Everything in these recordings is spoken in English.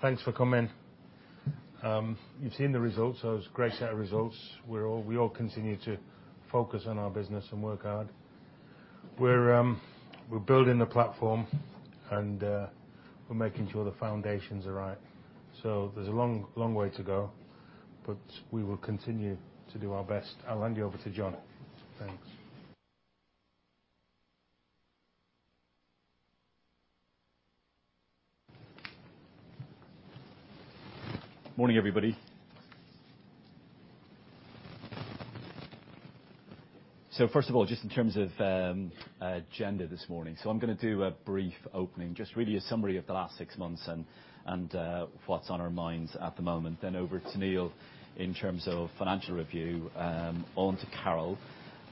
Thanks for coming. You've seen the results. Those great set of results. We all continue to focus on our business and work hard. We're building the platform, and we're making sure the foundations are right. So there's a long, long way to go, but we will continue to do our best. I'll hand you over to John. Thanks. Morning, everybody. So first of all, just in terms of agenda this morning, so I'm going to do a brief opening, just really a summary of the last six months and what's on our minds at the moment. Then over to Neil in terms of financial review, on to Carol,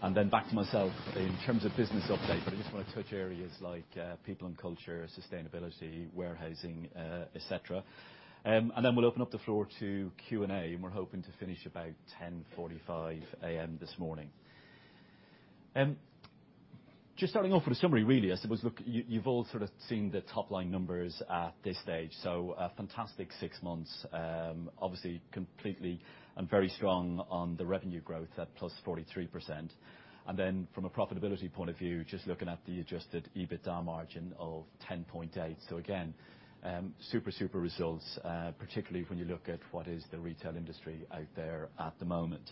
and then back to myself in terms of business update. But I just want to touch areas like people and culture, sustainability, warehousing, etc. And then we'll open up the floor to Q&A, and we're hoping to finish about 10:45 A.M. this morning. Just starting off with a summary, really, I suppose. Look, you've all sort of seen the top-line numbers at this stage. So fantastic six months, obviously completely and very strong on the revenue growth at +43%. And then from a profitability point of view, just looking at the Adjusted EBITDA margin of 10.8%. So again, super, super results, particularly when you look at what is the retail industry out there at the moment.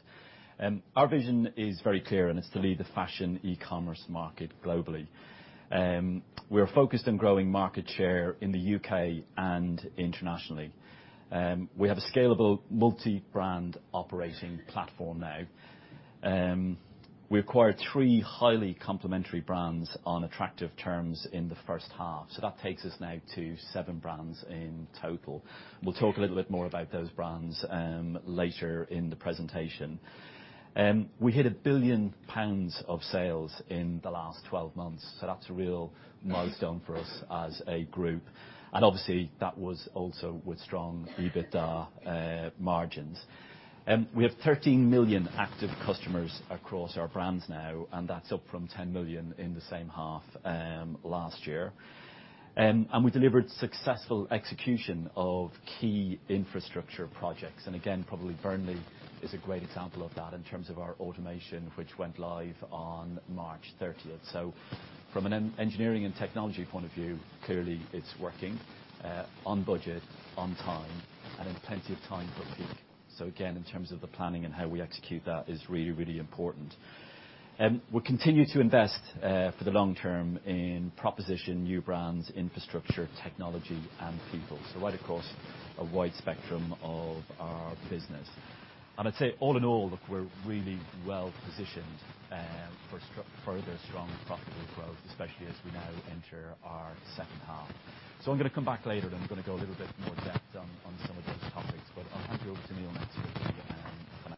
Our vision is very clear, and it's to lead the fashion e-commerce market globally. We are focused on growing market share in the U.K. and internationally. We have a scalable multi-brand operating platform now. We acquired three highly complementary brands on attractive terms in the first half. So that takes us now to seven brands in total. We'll talk a little bit more about those brands later in the presentation. We hit 1 billion pounds of sales in the last 12 months. So that's a real milestone for us as a group. And obviously, that was also with strong EBITDA margins. We have 13 million active customers across our brands now, and that's up from 10 million in the same half last year. We delivered successful execution of key infrastructure projects. Again, probably Burnley is a great example of that in terms of our automation, which went live on March 30th. From an engineering and technology point of view, clearly it's working on budget, on time, and in plenty of time for peak. Again, in terms of the planning and how we execute, that is really, really important. We'll continue to invest for the long term in proposition, new brands, infrastructure, technology, and people. Right across a wide spectrum of our business. I'd say all in all, look, we're really well positioned for further strong profitable growth, especially as we now enter our second half. I'm going to come back later, and I'm going to go a little bit more in depth on some of those topics. But I'll hand you over to Neil next and.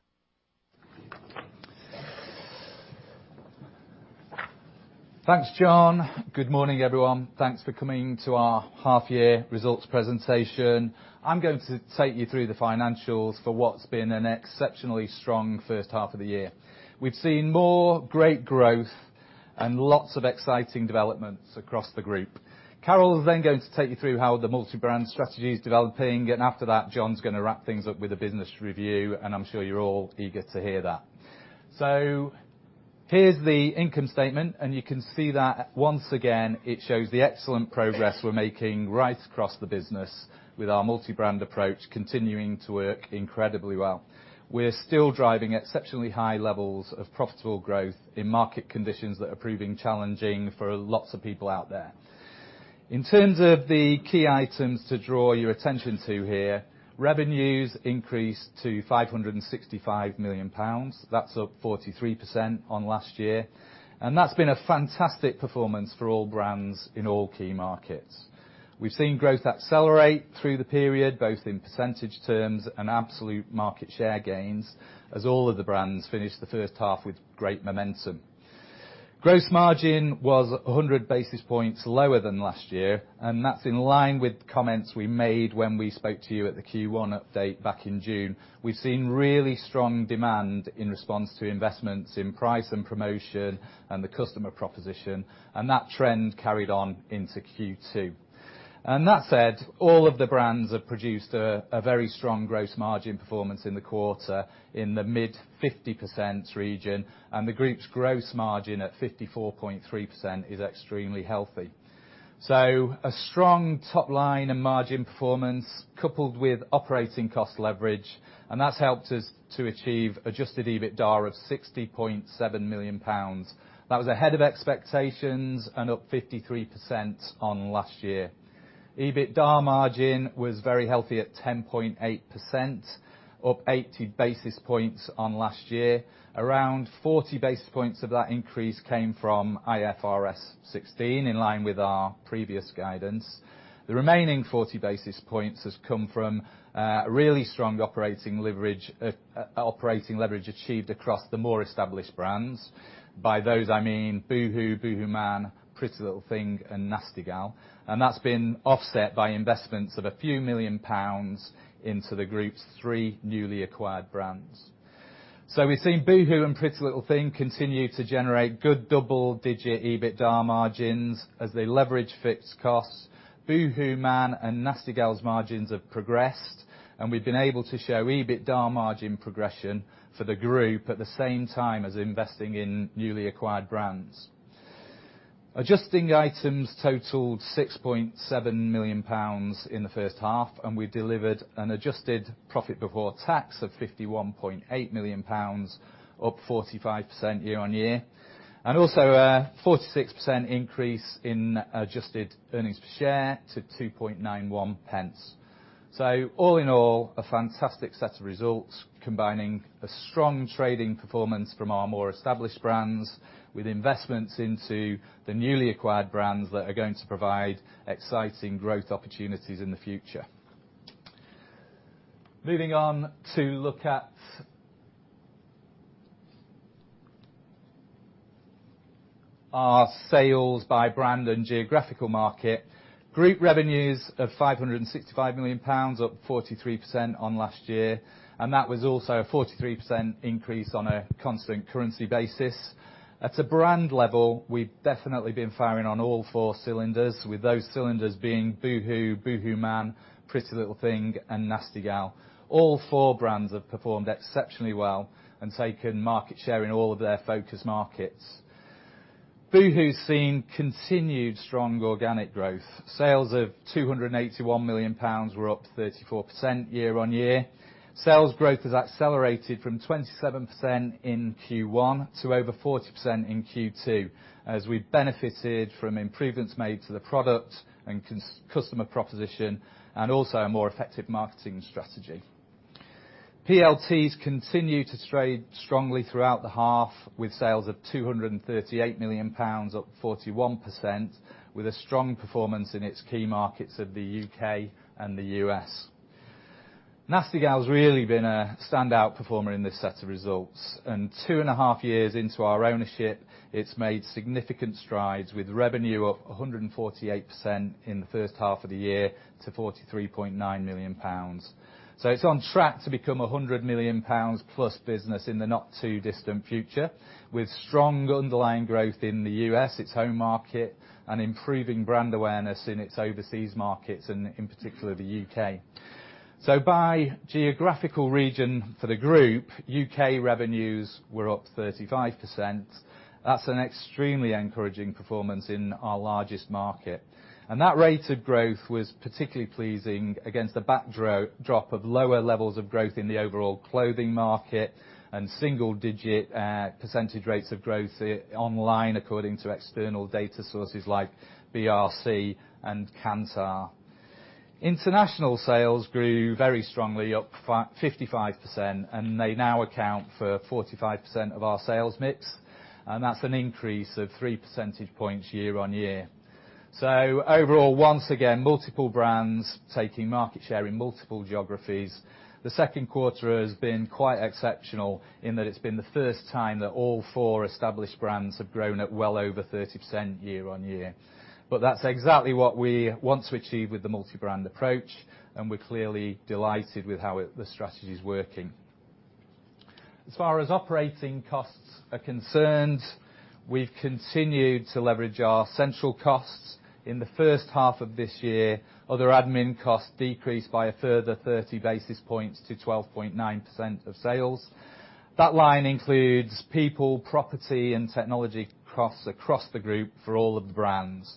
Thanks, John. Good morning, everyone. Thanks for coming to our half-year results presentation. I'm going to take you through the financials for what's been an exceptionally strong first half of the year. We've seen more great growth and lots of exciting developments across the group. Carol's then going to take you through how the multi-brand strategy is developing. And after that, John's going to wrap things up with a business review, and I'm sure you're all eager to hear that. So here's the income statement, and you can see that once again, it shows the excellent progress we're making right across the business with our multi-brand approach continuing to work incredibly well. We're still driving exceptionally high levels of profitable growth in market conditions that are proving challenging for lots of people out there. In terms of the key items to draw your attention to here, revenues increased to 565 million pounds. That's up 43% on last year. That's been a fantastic performance for all brands in all key markets. We've seen growth accelerate through the period, both in percentage terms and absolute market share gains, as all of the brands finished the first half with great momentum. Gross margin was 100 basis points lower than last year, and that's in line with comments we made when we spoke to you at the Q1 update back in June. We've seen really strong demand in response to investments in price and promotion and the customer proposition, and that trend carried on into Q2. That said, all of the brands have produced a very strong gross margin performance in the quarter in the mid-50% region, and the group's gross margin at 54.3% is extremely healthy. So a strong top-line and margin performance coupled with operating cost leverage, and that's helped us to achieve adjusted EBITDA of 60.7 million pounds. That was ahead of expectations and up 53% on last year. EBITDA margin was very healthy at 10.8%, up 80 basis points on last year. Around 40 basis points of that increase came from IFRS 16, in line with our previous guidance. The remaining 40 basis points has come from really strong operating leverage achieved across the more established brands. By those, I mean boohoo, boohooMAN, PrettyLittleThing, and Nasty Gal. And that's been offset by investments of a few million pounds into the group's three newly acquired brands. So we've seen boohoo and PrettyLittleThing continue to generate good double-digit EBITDA margins as they leverage fixed costs. boohooMAN and Nasty Gal's margins have progressed, and we've been able to show EBITDA margin progression for the group at the same time as investing in newly acquired brands. Adjusting items totaled 6.7 million pounds in the first half, and we delivered an adjusted profit before tax of 51.8 million pounds, up 45% year-on-year. Also a 46% increase in adjusted earnings per share to 2.91. All in all, a fantastic set of results combining a strong trading performance from our more established brands with investments into the newly acquired brands that are going to provide exciting growth opportunities in the future. Moving on to look at our sales by brand and geographical market. Group revenues of 565 million pounds, up 43% on last year. That was also a 43% increase on a constant currency basis. At a brand level, we've definitely been firing on all four cylinders, with those cylinders being boohoo, boohooMAN, PrettyLittleThing, and Nasty Gal. All four brands have performed exceptionally well and taken market share in all of their focus markets. Boohoo's seen continued strong organic growth. Sales of 281 million pounds were up 34% year-over-year. Sales growth has accelerated from 27% in Q1 to over 40% in Q2, as we've benefited from improvements made to the product and customer proposition, and also a more effective marketing strategy. PLT continues to trade strongly throughout the half, with sales of 238 million pounds, up 41%, with a strong performance in its key markets of the U.K. and the U.S. Nasty Gal's really been a standout performer in this set of results. 2.5 years into our ownership, it's made significant strides with revenue up 148% in the first half of the year to 43.9 million pounds. It's on track to become a 100 million pounds-plus business in the not too distant future, with strong underlying growth in the U.S., its home market, and improving brand awareness in its overseas markets, and in particular the U.K. By geographical region for the group, U.K. revenues were up 35%. That's an extremely encouraging performance in our largest market. That rate of growth was particularly pleasing against the backdrop of lower levels of growth in the overall clothing market and single-digit percentage rates of growth online, according to external data sources like BRC and Kantar. International sales grew very strongly, up 55%, and they now account for 45% of our sales mix. That's an increase of 3 percentage points year-on-year. Overall, once again, multiple brands taking market share in multiple geographies. The second quarter has been quite exceptional in that it's been the first time that all four established brands have grown at well over 30% year-on-year. That's exactly what we want to achieve with the multi-brand approach, and we're clearly delighted with how the strategy's working. As far as operating costs are concerned, we've continued to leverage our central costs in the first half of this year. Other admin costs decreased by a further 30 basis points to 12.9% of sales. That line includes people, property, and technology costs across the group for all of the brands.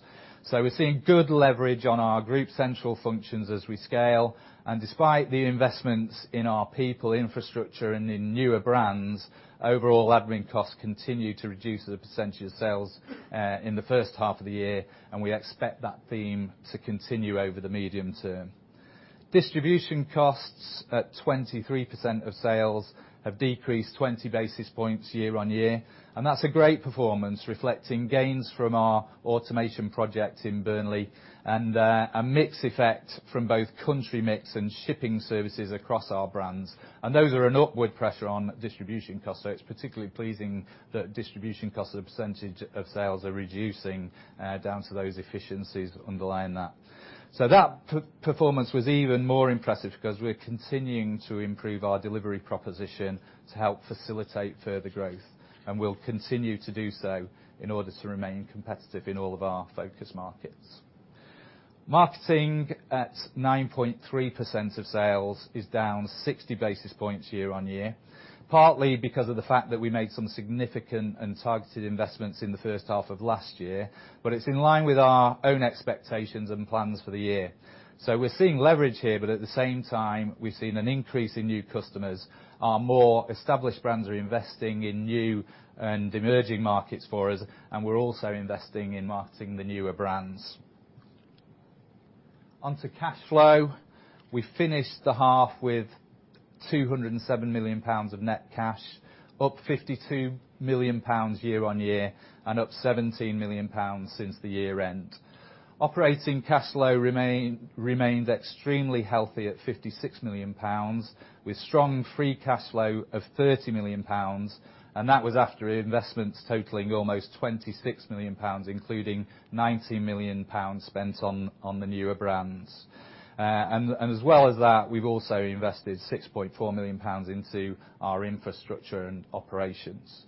We're seeing good leverage on our group central functions as we scale. Despite the investments in our people, infrastructure, and in newer brands, overall admin costs continue to reduce the percentage of sales in the first half of the year, and we expect that theme to continue over the medium term. Distribution costs at 23% of sales have decreased 20 basis points year-on-year. That's a great performance, reflecting gains from our automation project in Burnley and a mix effect from both country mix and shipping services across our brands. Those are an upward pressure on distribution costs. It's particularly pleasing that distribution costs and percentage of sales are reducing down to those efficiencies underlying that. That performance was even more impressive because we're continuing to improve our delivery proposition to help facilitate further growth, and we'll continue to do so in order to remain competitive in all of our focus markets. Marketing at 9.3% of sales is down 60 basis points year-on-year, partly because of the fact that we made some significant and targeted investments in the first half of last year, but it's in line with our own expectations and plans for the year. So we're seeing leverage here, but at the same time, we've seen an increase in new customers. Our more established brands are investing in new and emerging markets for us, and we're also investing in marketing the newer brands. Onto cash flow. We finished the half with 207 million pounds of net cash, up 52 million pounds year-on-year, and up 17 million pounds since the year-end. Operating cash flow remained extremely healthy at 56 million pounds, with strong free cash flow of 30 million pounds. That was after investments totaling almost 26 million pounds, including 19 million pounds spent on the newer brands. As well as that, we've also invested 6.4 million pounds into our infrastructure and operations.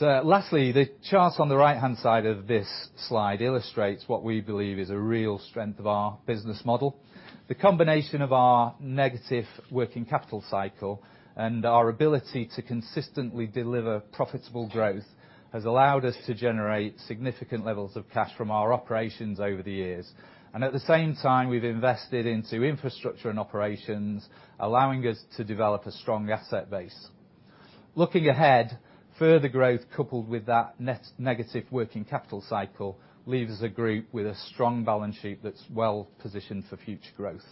Lastly, the chart on the right-hand side of this slide illustrates what we believe is a real strength of our business model. The combination of our negative working capital cycle and our ability to consistently deliver profitable growth has allowed us to generate significant levels of cash from our operations over the years. And at the same time, we've invested into infrastructure and operations, allowing us to develop a strong asset base. Looking ahead, further growth coupled with that negative working capital cycle leaves the group with a strong balance sheet that's well positioned for future growth.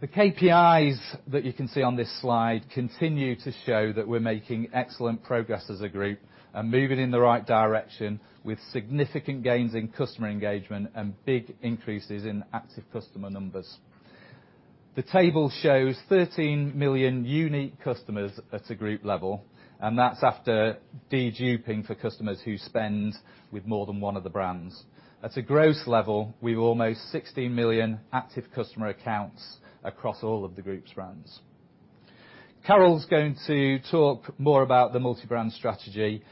The KPIs that you can see on this slide continue to show that we're making excellent progress as a group and moving in the right direction with significant gains in customer engagement and big increases in active customer numbers. The table shows 13 million unique customers at a group level, and that's after deduping for customers who spend with more than one of the brands. At a gross level, we have almost 16 million active customer accounts across all of the group's brands. Carol's going to talk more about the multi-brand strategy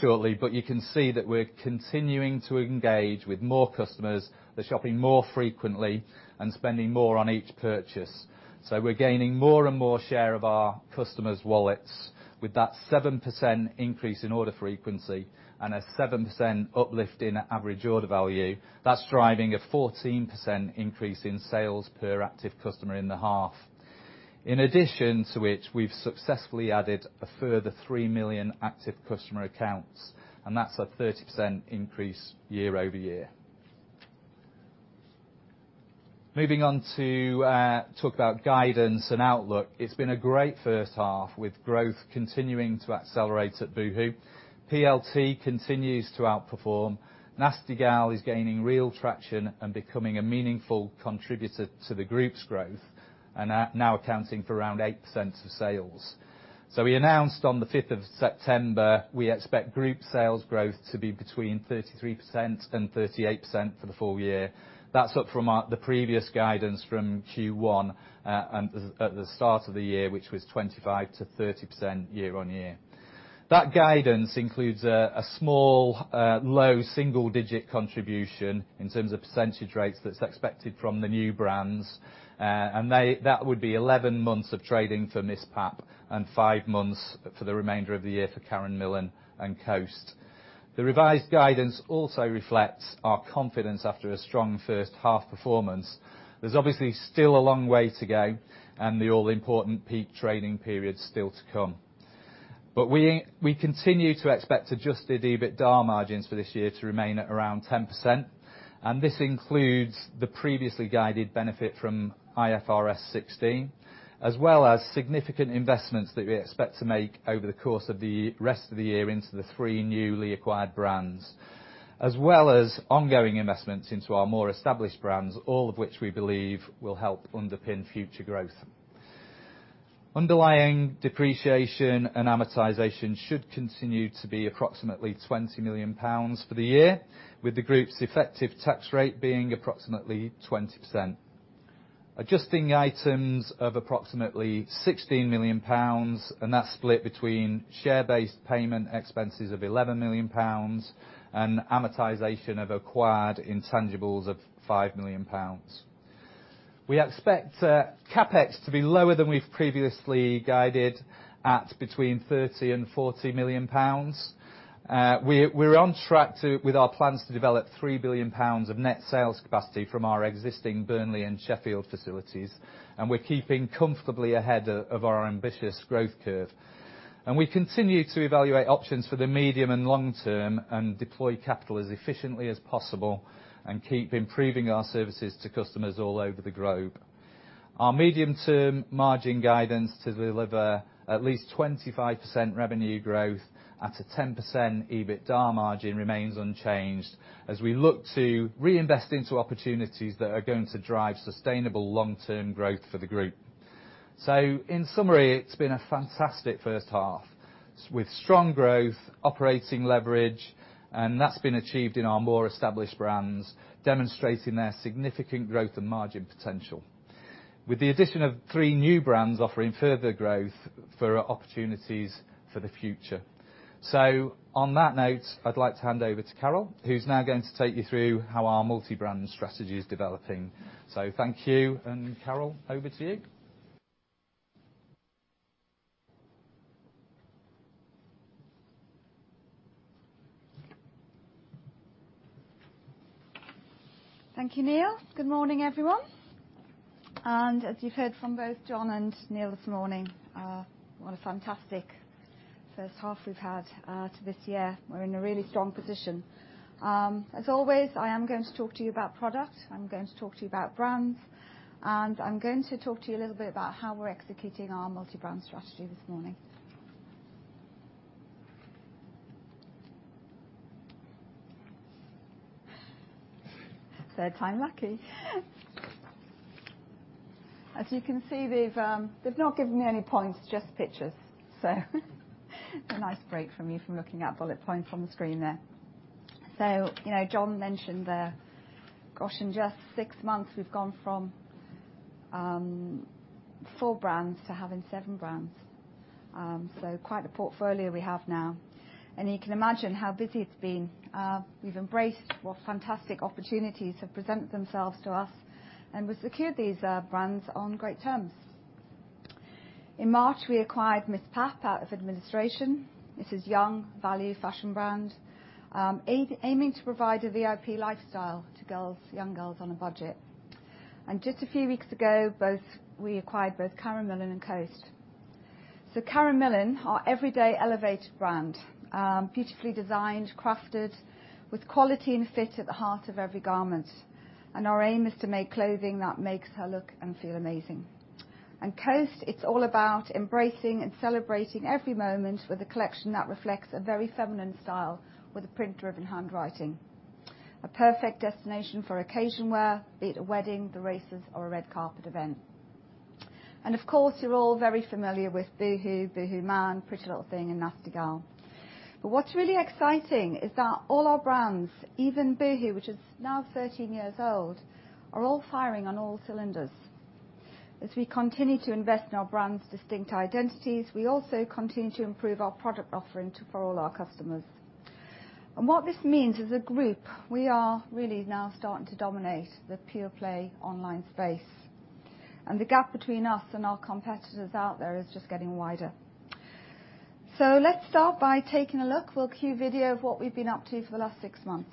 shortly, but you can see that we're continuing to engage with more customers that are shopping more frequently and spending more on each purchase. So we're gaining more and more share of our customers' wallets with that 7% increase in order frequency and a 7% uplift in average order value. That's driving a 14% increase in sales per active customer in the half. In addition to which, we've successfully added a further 3 million active customer accounts, and that's a 30% increase year-over-year. Moving on to talk about guidance and outlook. It's been a great first half with growth continuing to accelerate at Boohoo. PLT continues to outperform. Nasty Gal is gaining real traction and becoming a meaningful contributor to the group's growth, and now accounting for around 8% of sales. So we announced on the 5th of September, we expect group sales growth to be between 33% and 38% for the full year. That's up from the previous guidance from Q1 at the start of the year, which was 25%-30% year-over-year. That guidance includes a small, low single-digit contribution in terms of percentage rates that's expected from the new brands. That would be 11 months of trading for MissPap and five months for the remainder of the year for Karen Millen and Coast. The revised guidance also reflects our confidence after a strong first half performance. There's obviously still a long way to go and the all-important peak trading period still to come. We continue to expect adjusted EBITDA margins for this year to remain at around 10%. This includes the previously guided benefit from IFRS 16, as well as significant investments that we expect to make over the course of the rest of the year into the three newly acquired brands, as well as ongoing investments into our more established brands, all of which we believe will help underpin future growth. Underlying depreciation and amortization should continue to be approximately 20 million pounds for the year, with the group's effective tax rate being approximately 20%. Adjusting items of approximately 16 million pounds, and that's split between share-based payment expenses of 11 million pounds and amortization of acquired intangibles of 5 million pounds. We expect CAPEX to be lower than we've previously guided at between 30 million and 40 million pounds. We're on track with our plans to develop 3 billion pounds of net sales capacity from our existing Burnley and Sheffield facilities, and we're keeping comfortably ahead of our ambitious growth curve. And we continue to evaluate options for the medium and long term and deploy capital as efficiently as possible and keep improving our services to customers all over the globe. Our medium-term margin guidance to deliver at least 25% revenue growth at a 10% EBITDA margin remains unchanged as we look to reinvest into opportunities that are going to drive sustainable long-term growth for the group. In summary, it's been a fantastic first half with strong growth, operating leverage, and that's been achieved in our more established brands, demonstrating their significant growth and margin potential, with the addition of three new brands offering further growth for opportunities for the future. On that note, I'd like to hand over to Carol, who's now going to take you through how our multi-brand strategy is developing. Thank you. Carol, over to you. Thank you, Neil. Good morning, everyone. As you've heard from both John and Neil this morning, what a fantastic first half we've had to this year. We're in a really strong position. As always, I am going to talk to you about product. I'm going to talk to you about brands, and I'm going to talk to you a little bit about how we're executing our multi-brand strategy this morning. Third time lucky. As you can see, they've not given me any points, just pictures. So a nice break from you from looking at bullet points on the screen there. So John mentioned that, gosh, in just six months, we've gone from four brands to having seven brands. So quite a portfolio we have now. And you can imagine how busy it's been. We've embraced what fantastic opportunities have presented themselves to us, and we've secured these brands on great terms. In March, we acquired MissPap out of administration, a young value fashion brand, aiming to provide a VIP lifestyle to young girls on a budget. And just a few weeks ago, we acquired both Karen Millen and Coast. So Karen Millen, our everyday elevated brand, beautifully designed, crafted, with quality and fit at the heart of every garment. And our aim is to make clothing that makes her look and feel amazing. And Coast, it's all about embracing and celebrating every moment with a collection that reflects a very feminine style with a print-driven handwriting, a perfect destination for occasion wear, be it a wedding, the races, or a red carpet event. And of course, you're all very familiar with boohoo, boohooMAN, PrettyLittleThing, and Nasty Gal. What's really exciting is that all our brands, even boohoo, which is now 13 years old, are all firing on all cylinders. As we continue to invest in our brands' distinct identities, we also continue to improve our product offering for all our customers. What this means is, as a group, we are really now starting to dominate the pure play online space. The gap between us and our competitors out there is just getting wider. Let's start by taking a look; we'll cue video of what we've been up to for the last six months.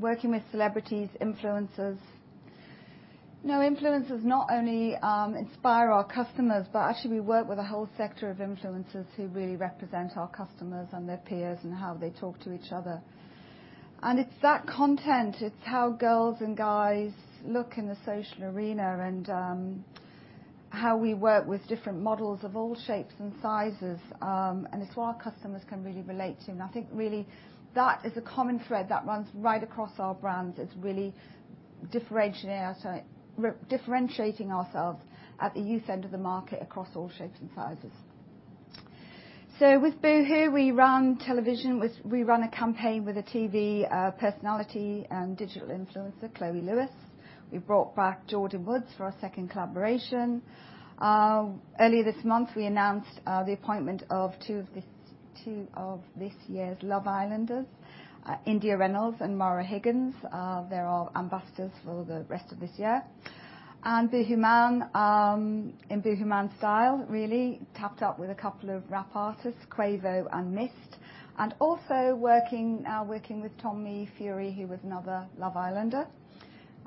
working with celebrities, influencers. Influencers not only inspire our customers, but actually we work with a whole sector of influencers who really represent our customers and their peers and how they talk to each other. It's that content, it's how girls and guys look in the social arena and how we work with different models of all shapes and sizes. It's what our customers can really relate to. I think really that is a common thread that runs right across our brands. It's really differentiating ourselves at the youth end of the market across all shapes and sizes. So with boohoo, we ran television. We ran a campaign with a TV personality and digital influencer, Chloe Lewis. We brought back Jordyn Woods for our second collaboration. Earlier this month, we announced the appointment of two of this year's Love Island contestants, India Reynolds and Maura Higgins. They're our ambassadors for the rest of this year. And boohooMAN in boohooMAN style, really, tapped up with a couple of rap artists, Quavo and Mist, and also working with Tommy Fury, who was another Love Island contestant.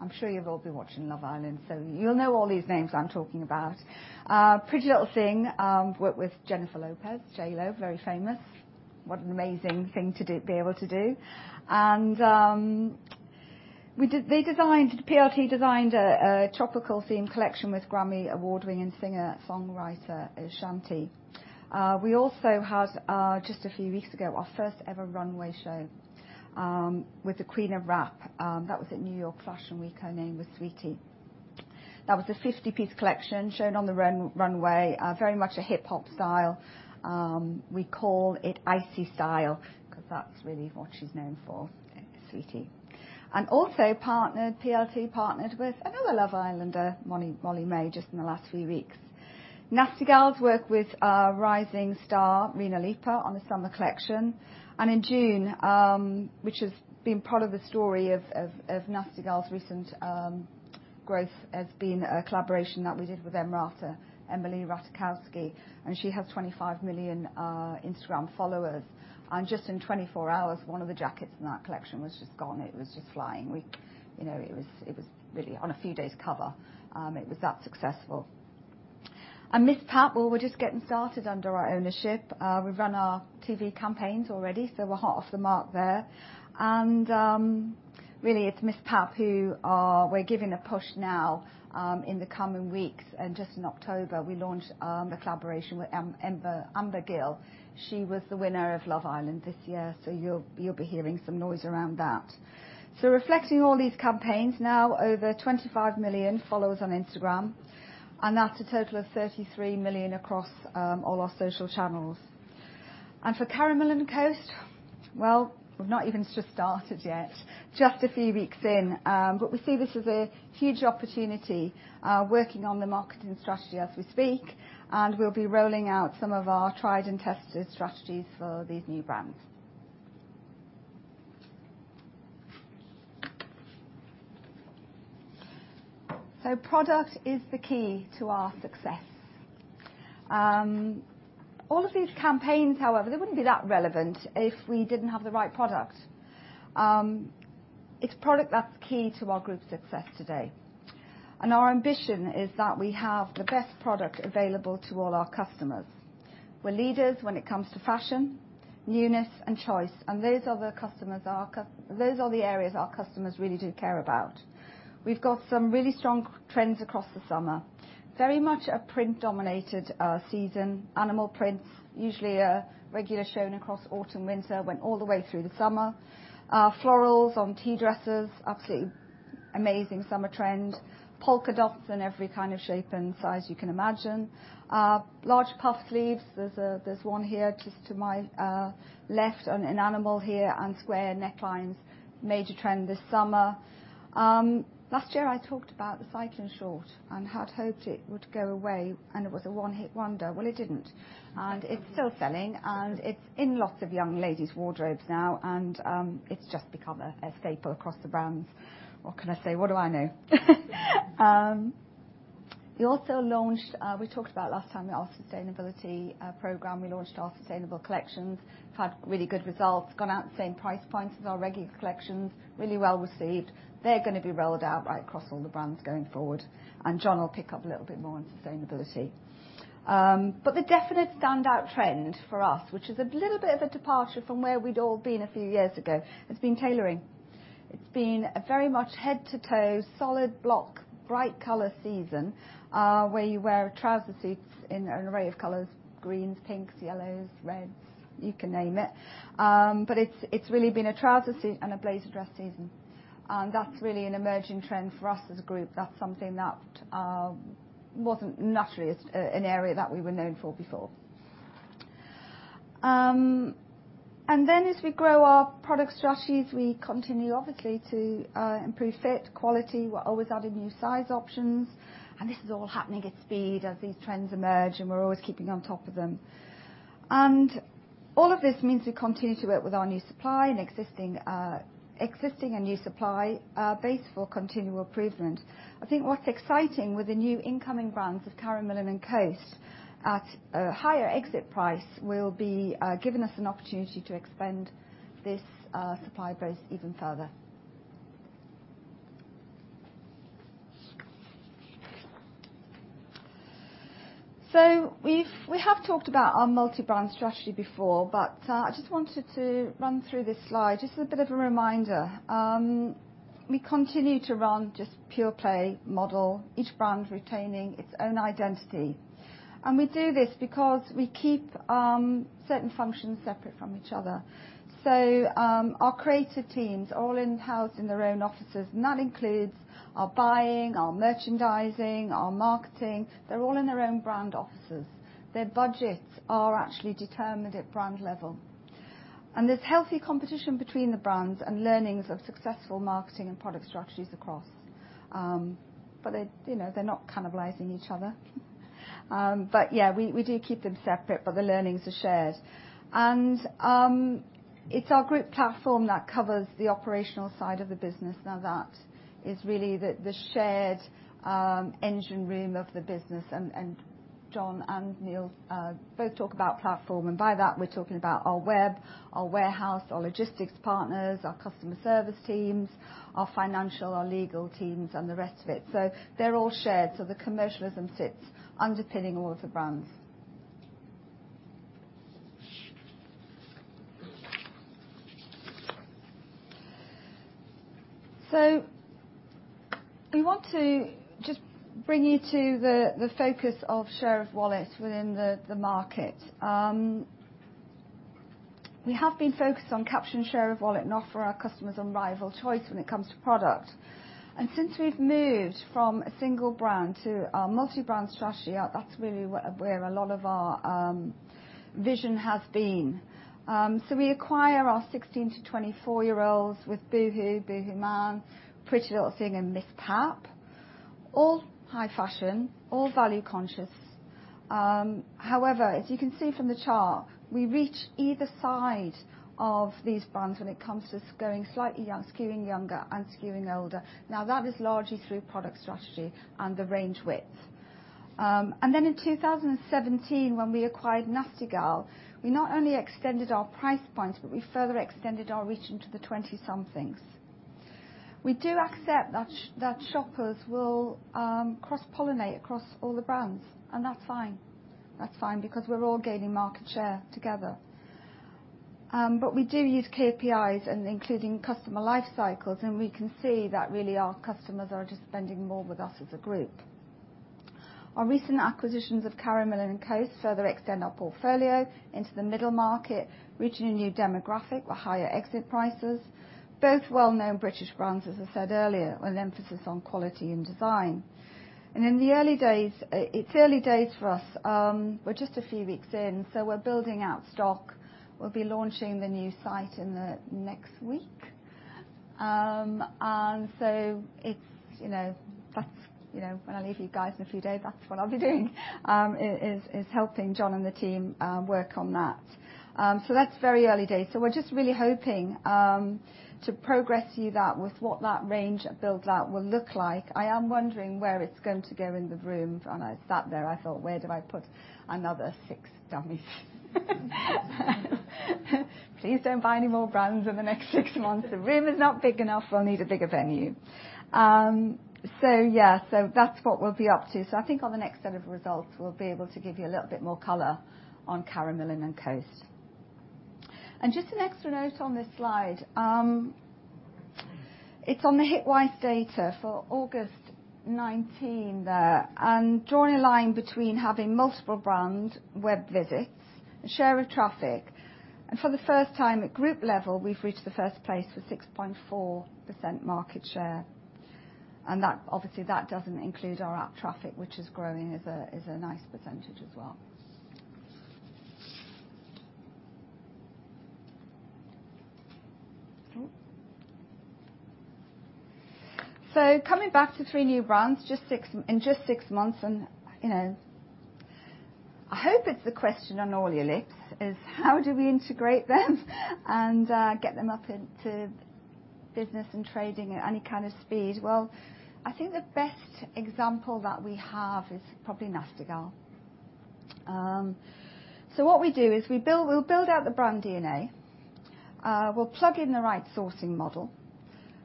I'm sure you've all been watching Love Island, so you'll know all these names I'm talking about. PrettyLittleThing worked with Jennifer Lopez, J.Lo, very famous. What an amazing thing to be able to do. And they designed, PLT designed a tropical theme collection with Grammy award-winning singer-songwriter Ashanti. We also had, just a few weeks ago, our first ever runway show with the Queen of Rap. That was at New York Fashion Week. Her name was Saweetie. That was a 50-piece collection shown on the runway, very much a hip-hop style. We call it Icy Style because that's really what she's known for, Saweetie. And also partnered, PLT partnered with another Love Islander, Molly-Mae, just in the last few weeks. Nasty Gal worked with rising star Rina Lipa on the summer collection. And in June, which has been part of the story of Nasty Gal's recent growth, has been a collaboration that we did with EmRata, Emily Ratajkowski. And she has 25 million Instagram followers. Just in 24 hours, one of the jackets in that collection was just gone. It was just flying. It was really on a few days' cover. It was that successful. And MissPap, well, we're just getting started under our ownership. We've run our TV campaigns already, so we're hot off the mark there. And really, it's MissPap who we're giving a push now in the coming weeks. And just in October, we launched the collaboration with Amber Gill. She was the winner of Love Island this year, so you'll be hearing some noise around that. So reflecting all these campaigns now, over 25 million followers on Instagram, and that's a total of 33 million across all our social channels. And for Karen Millen and Coast, well, we've not even just started yet, just a few weeks in. But we see this as a huge opportunity working on the marketing strategy as we speak. We'll be rolling out some of our tried and tested strategies for these new brands. Product is the key to our success. All of these campaigns, however, they wouldn't be that relevant if we didn't have the right product. It's product that's key to our group's success today. Our ambition is that we have the best product available to all our customers. We're leaders when it comes to fashion, newness, and choice. Those are the customers, those are the areas our customers really do care about. We've got some really strong trends across the summer, very much a print-dominated season, animal prints, usually a regular showing across autumn, winter, went all the way through the summer. Florals on tea dresses, absolutely amazing summer trend, polka dots in every kind of shape and size you can imagine. Large puff sleeves, there's one here just to my left on a mannequin here and square necklines, major trend this summer. Last year, I talked about the cycling short and had hoped it would go away, and it was a one-hit wonder. Well, it didn't. And it's still selling, and it's in lots of young ladies' wardrobes now, and it's just become a staple across the brands. What can I say? What do I know? We also launched. We talked about last time our sustainability program. We launched our sustainable collections, had really good results, gone out at the same price points as our regular collections, really well received. They're going to be rolled out right across all the brands going forward. John will pick up a little bit more on sustainability. But the definite standout trend for us, which is a little bit of a departure from where we'd all been a few years ago, has been tailoring. It's been a very much head-to-toe, solid block, bright color season where you wear trouser suits in an array of colors, greens, pinks, yellows, reds, you can name it. But it's really been a trouser suit and a blazer dress season. And that's really an emerging trend for us as a group. That's something that wasn't naturally an area that we were known for before. And then as we grow our product strategies, we continue obviously to improve fit, quality. We're always adding new size options. And this is all happening at speed as these trends emerge, and we're always keeping on top of them. And all of this means we continue to work with our new supply and existing and new supply base for continual improvement. I think what's exciting with the new incoming brands of Karen Millen and Coast at a higher exit price will be giving us an opportunity to expand this supply base even further. So we have talked about our multi-brand strategy before, but I just wanted to run through this slide. Just a bit of a reminder. We continue to run just pure play model, each brand retaining its own identity. And we do this because we keep certain functions separate from each other. So our creative teams are all housed in their own offices, and that includes our buying, our merchandising, our marketing. They're all in their own brand offices. Their budgets are actually determined at brand level. There's healthy competition between the brands and learnings of successful marketing and product strategies across. But they're not cannibalizing each other. Yeah, we do keep them separate, but the learnings are shared. It's our group platform that covers the operational side of the business. Now that is really the shared engine room of the business. John and Neil both talk about platform, and by that, we're talking about our web, our warehouse, our logistics partners, our customer service teams, our financial, our legal teams, and the rest of it. So they're all shared. The commercialism sits underpinning all of the brands. We want to just bring you to the focus of share of wallet within the market. We have been focused on capturing share of wallet and offering our customers unrivaled choice when it comes to product. Since we've moved from a single brand to our multi-brand strategy, that's really where a lot of our vision has been. We acquire our 16-24-year-olds with boohoo, boohooMan, Pretty Little Thing, and MissPap, all high fashion, all value conscious. However, as you can see from the chart, we reach either side of these brands when it comes to going slightly young, skewing younger, and skewing older. Now that is largely through product strategy and the range width. And then in 2017, when we acquired Nasty Gal, we not only extended our price points, but we further extended our reach into the 20-somethings. We do accept that shoppers will cross-pollinate across all the brands, and that's fine. That's fine because we're all gaining market share together. But we do use KPIs, including customer life cycles, and we can see that really our customers are just spending more with us as a group. Our recent acquisitions of Karen Millen and Coast further extend our portfolio into the middle market, reaching a new demographic with higher exit prices. Both well-known British brands, as I said earlier, with an emphasis on quality and design. In the early days, it's early days for us. We're just a few weeks in, so we're building out stock. We'll be launching the new site in the next week. And so that's when I leave you guys in a few days, that's what I'll be doing, is helping John and the team work on that. So that's very early days. So we're just really hoping to progress you that with what that range build out will look like. I am wondering where it's going to go in the room. I sat there, I thought, where do I put another six dummies? Please don't buy any more brands in the next six months. The room is not big enough. We'll need a bigger venue. Yeah, that's what we'll be up to. I think on the next set of results, we'll be able to give you a little bit more color on Karen Millen and Coast. Just an extra note on this slide. It's on the Hitwise data for August 2019 there. Drawing a line between having multiple brand web visits and share of traffic. For the first time at group level, we've reached the first place with 6.4% market share. Obviously, that doesn't include our app traffic, which is growing as a nice percentage as well. So coming back to three new brands in just six months, and I hope it's the question on all your lips is, how do we integrate them and get them up into business and trading at any kind of speed? Well, I think the best example that we have is probably Nasty Gal. So what we do is we'll build out the brand DNA. We'll plug in the right sourcing model.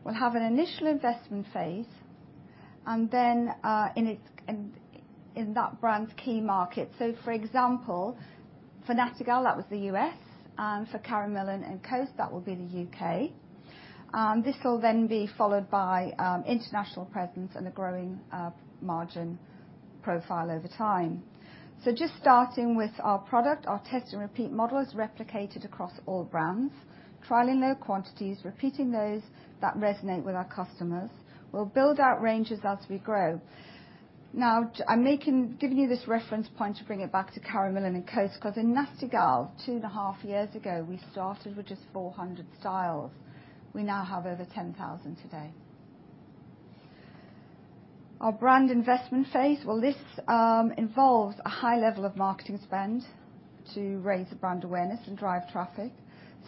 We'll have an initial investment phase. And then in that brand's key market. So for example, for Nasty Gal, that was the U.S. And for Karen Millen and Coast, that will be the U.K. And this will then be followed by international presence and a growing margin profile over time. So just starting with our product, our test and repeat model is replicated across all brands, trialing low quantities, repeating those that resonate with our customers. We'll build out ranges as we grow. Now, I'm giving you this reference point to bring it back to Karen Millen and Coast because in Nasty Gal, 2.5 years ago, we started with just 400 styles. We now have over 10,000 today. Our brand investment phase, well, this involves a high level of marketing spend to raise brand awareness and drive traffic.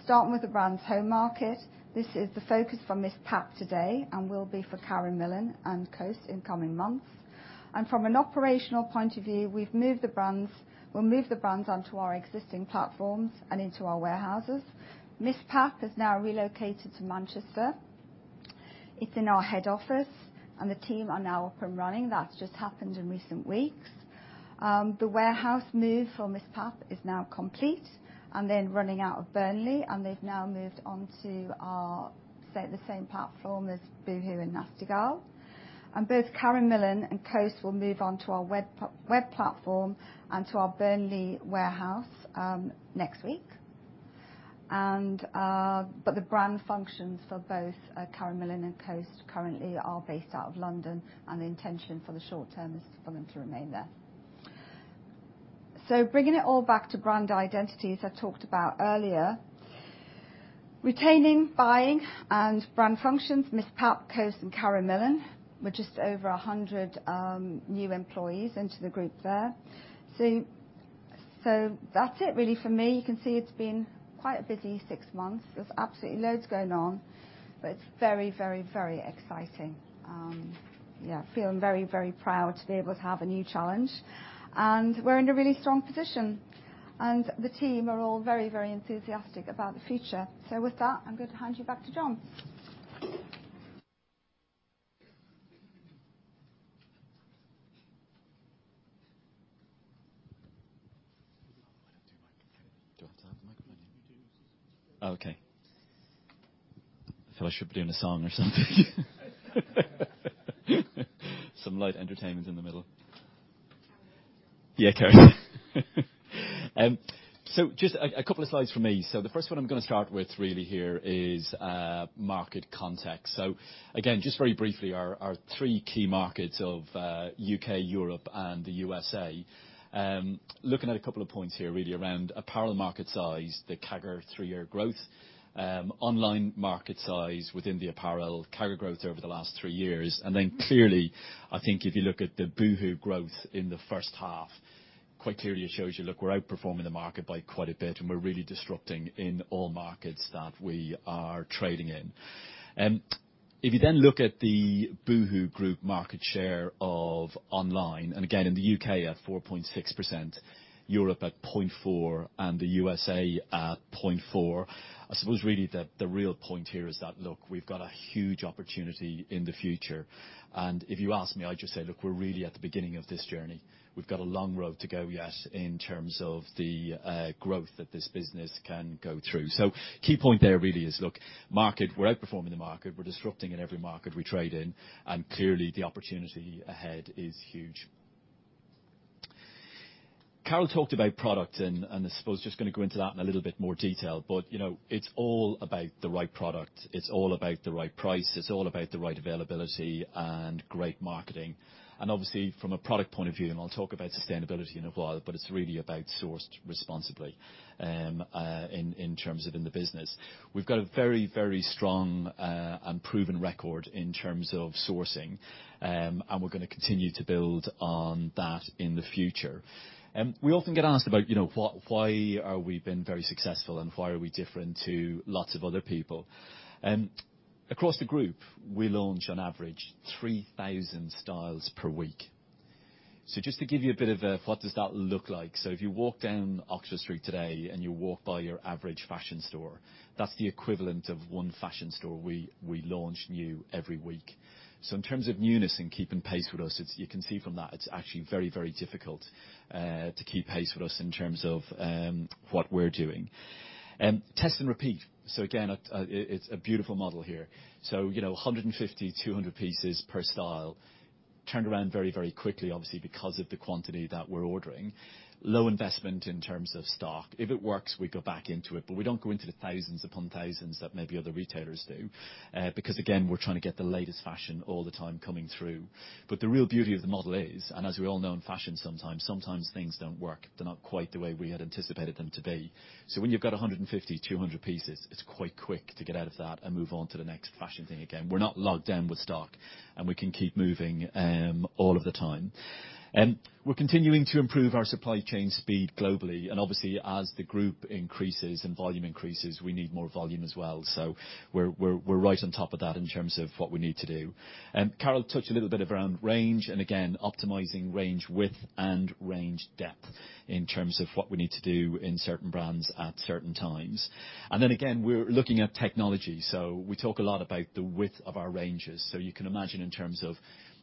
Starting with the brand's home market, this is the focus for MissPap today and will be for Karen Millen and Coast in coming months. And from an operational point of view, we'll move the brands onto our existing platforms and into our warehouses. MissPap has now relocated to Manchester. It's in our head office, and the team are now up and running. That's just happened in recent weeks. The warehouse move for MissPap is now complete and then running out of Burnley. And they've now moved onto the same platform as boohoo and Nasty Gal. And both Karen Millen and Coast will move onto our web platform and to our Burnley warehouse next week. But the brand functions for both Karen Millen and Coast currently are based out of London, and the intention for the short term is for them to remain there. So bringing it all back to brand identities I talked about earlier, retaining, buying, and brand functions, MissPap, Coast, and Karen Millen. We're just over 100 new employees into the group there. So that's it really for me. You can see it's been quite a busy six months. There's absolutely loads going on, but it's very, very, very exciting. Yeah, feeling very, very proud to be able to have a new challenge. And we're in a really strong position. The team are all very, very enthusiastic about the future. With that, I'm going to hand you back to John. Do I have to have the microphone in? You do. Okay. I feel I should be doing a song or something. Some light entertainment in the middle. Karen Millen. Yeah, Karen. So just a couple of slides from me. So the first one I'm going to start with really here is market context. So again, just very briefly, our three key markets of U.K., Europe, and the USA. Looking at a couple of points here really around apparel market size, the CAGR three-year growth, online market size within the apparel, CAGR growth over the last three years. And then clearly, I think if you look at the boohoo growth in the first half, quite clearly it shows you, look, we're outperforming the market by quite a bit, and we're really disrupting in all markets that we are trading in. If you then look at the Boohoo Group market share of online, and again, in the U.K. at 4.6%, Europe at 0.4%, and the USA at 0.4%, I suppose really the real point here is that, look, we've got a huge opportunity in the future. And if you ask me, I'd just say, look, we're really at the beginning of this journey. We've got a long road to go yet in terms of the growth that this business can go through. So key point there really is, look, market, we're outperforming the market. We're disrupting in every market we trade in. And clearly, the opportunity ahead is huge. Carol talked about product, and I suppose just going to go into that in a little bit more detail. But it's all about the right product. It's all about the right price. It's all about the right availability and great marketing. Obviously, from a product point of view, and I'll talk about sustainability in a while, but it's really about sourced responsibly in terms of the business. We've got a very, very strong and proven record in terms of sourcing, and we're going to continue to build on that in the future. We often get asked about why are we being very successful and why are we different to lots of other people. Across the group, we launch on average 3,000 styles per week. So just to give you a bit of a what does that look like? So if you walk down Oxford Street today and you walk by your average fashion store, that's the equivalent of one fashion store we launch new every week. So in terms of newness and keeping pace with us, you can see from that it's actually very, very difficult to keep pace with us in terms of what we're doing. Test and Repeat. So again, it's a beautiful model here. So 150, 200 pieces per style, turned around very, very quickly, obviously, because of the quantity that we're ordering. Low investment in terms of stock. If it works, we go back into it. But we don't go into the thousands upon thousands that maybe other retailers do because, again, we're trying to get the latest fashion all the time coming through. But the real beauty of the model is, and as we all know in fashion sometimes, sometimes things don't work. They're not quite the way we had anticipated them to be. So when you've got 150, 200 pieces, it's quite quick to get out of that and move on to the next fashion thing again. We're not locked down with stock, and we can keep moving all of the time. We're continuing to improve our supply chain speed globally. And obviously, as the group increases and volume increases, we need more volume as well. So we're right on top of that in terms of what we need to do. Carol touched a little bit around range. And again, optimizing range width and range depth in terms of what we need to do in certain brands at certain times. And then again, we're looking at technology. So we talk a lot about the width of our ranges. So you can imagine in terms of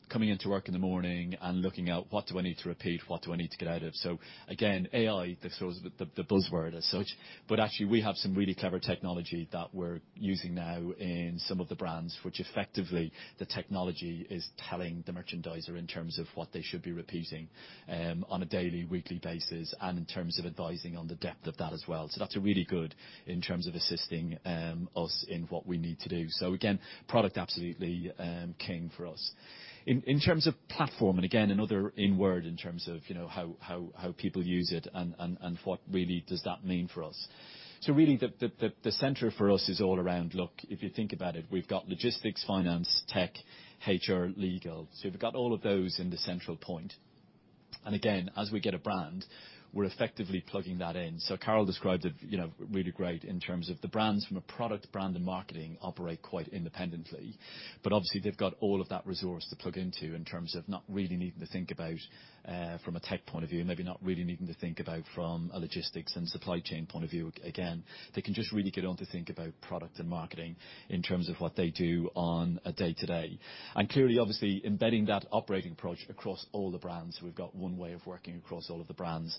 coming into work in the morning and looking at what do I need to repeat, what do I need to get out of. So again, AI, the buzzword as such. But actually, we have some really clever technology that we're using now in some of the brands, which effectively the technology is telling the merchandiser in terms of what they should be repeating on a daily, weekly basis and in terms of advising on the depth of that as well. So that's really good in terms of assisting us in what we need to do. So again, product absolutely king for us. In terms of platform, and again, another in word in terms of how people use it and what really does that mean for us. So really, the center for us is all around, look, if you think about it, we've got logistics, finance, tech, HR, legal. So we've got all of those in the central point. And again, as we get a brand, we're effectively plugging that in. So Carol described it really great in terms of the brands from a product brand and marketing operate quite independently. But obviously, they've got all of that resource to plug into in terms of not really needing to think about from a tech point of view, maybe not really needing to think about from a logistics and supply chain point of view. Again, they can just really get on to think about product and marketing in terms of what they do on a day-to-day. Clearly, obviously, embedding that operating approach across all the brands, we've got one way of working across all of the brands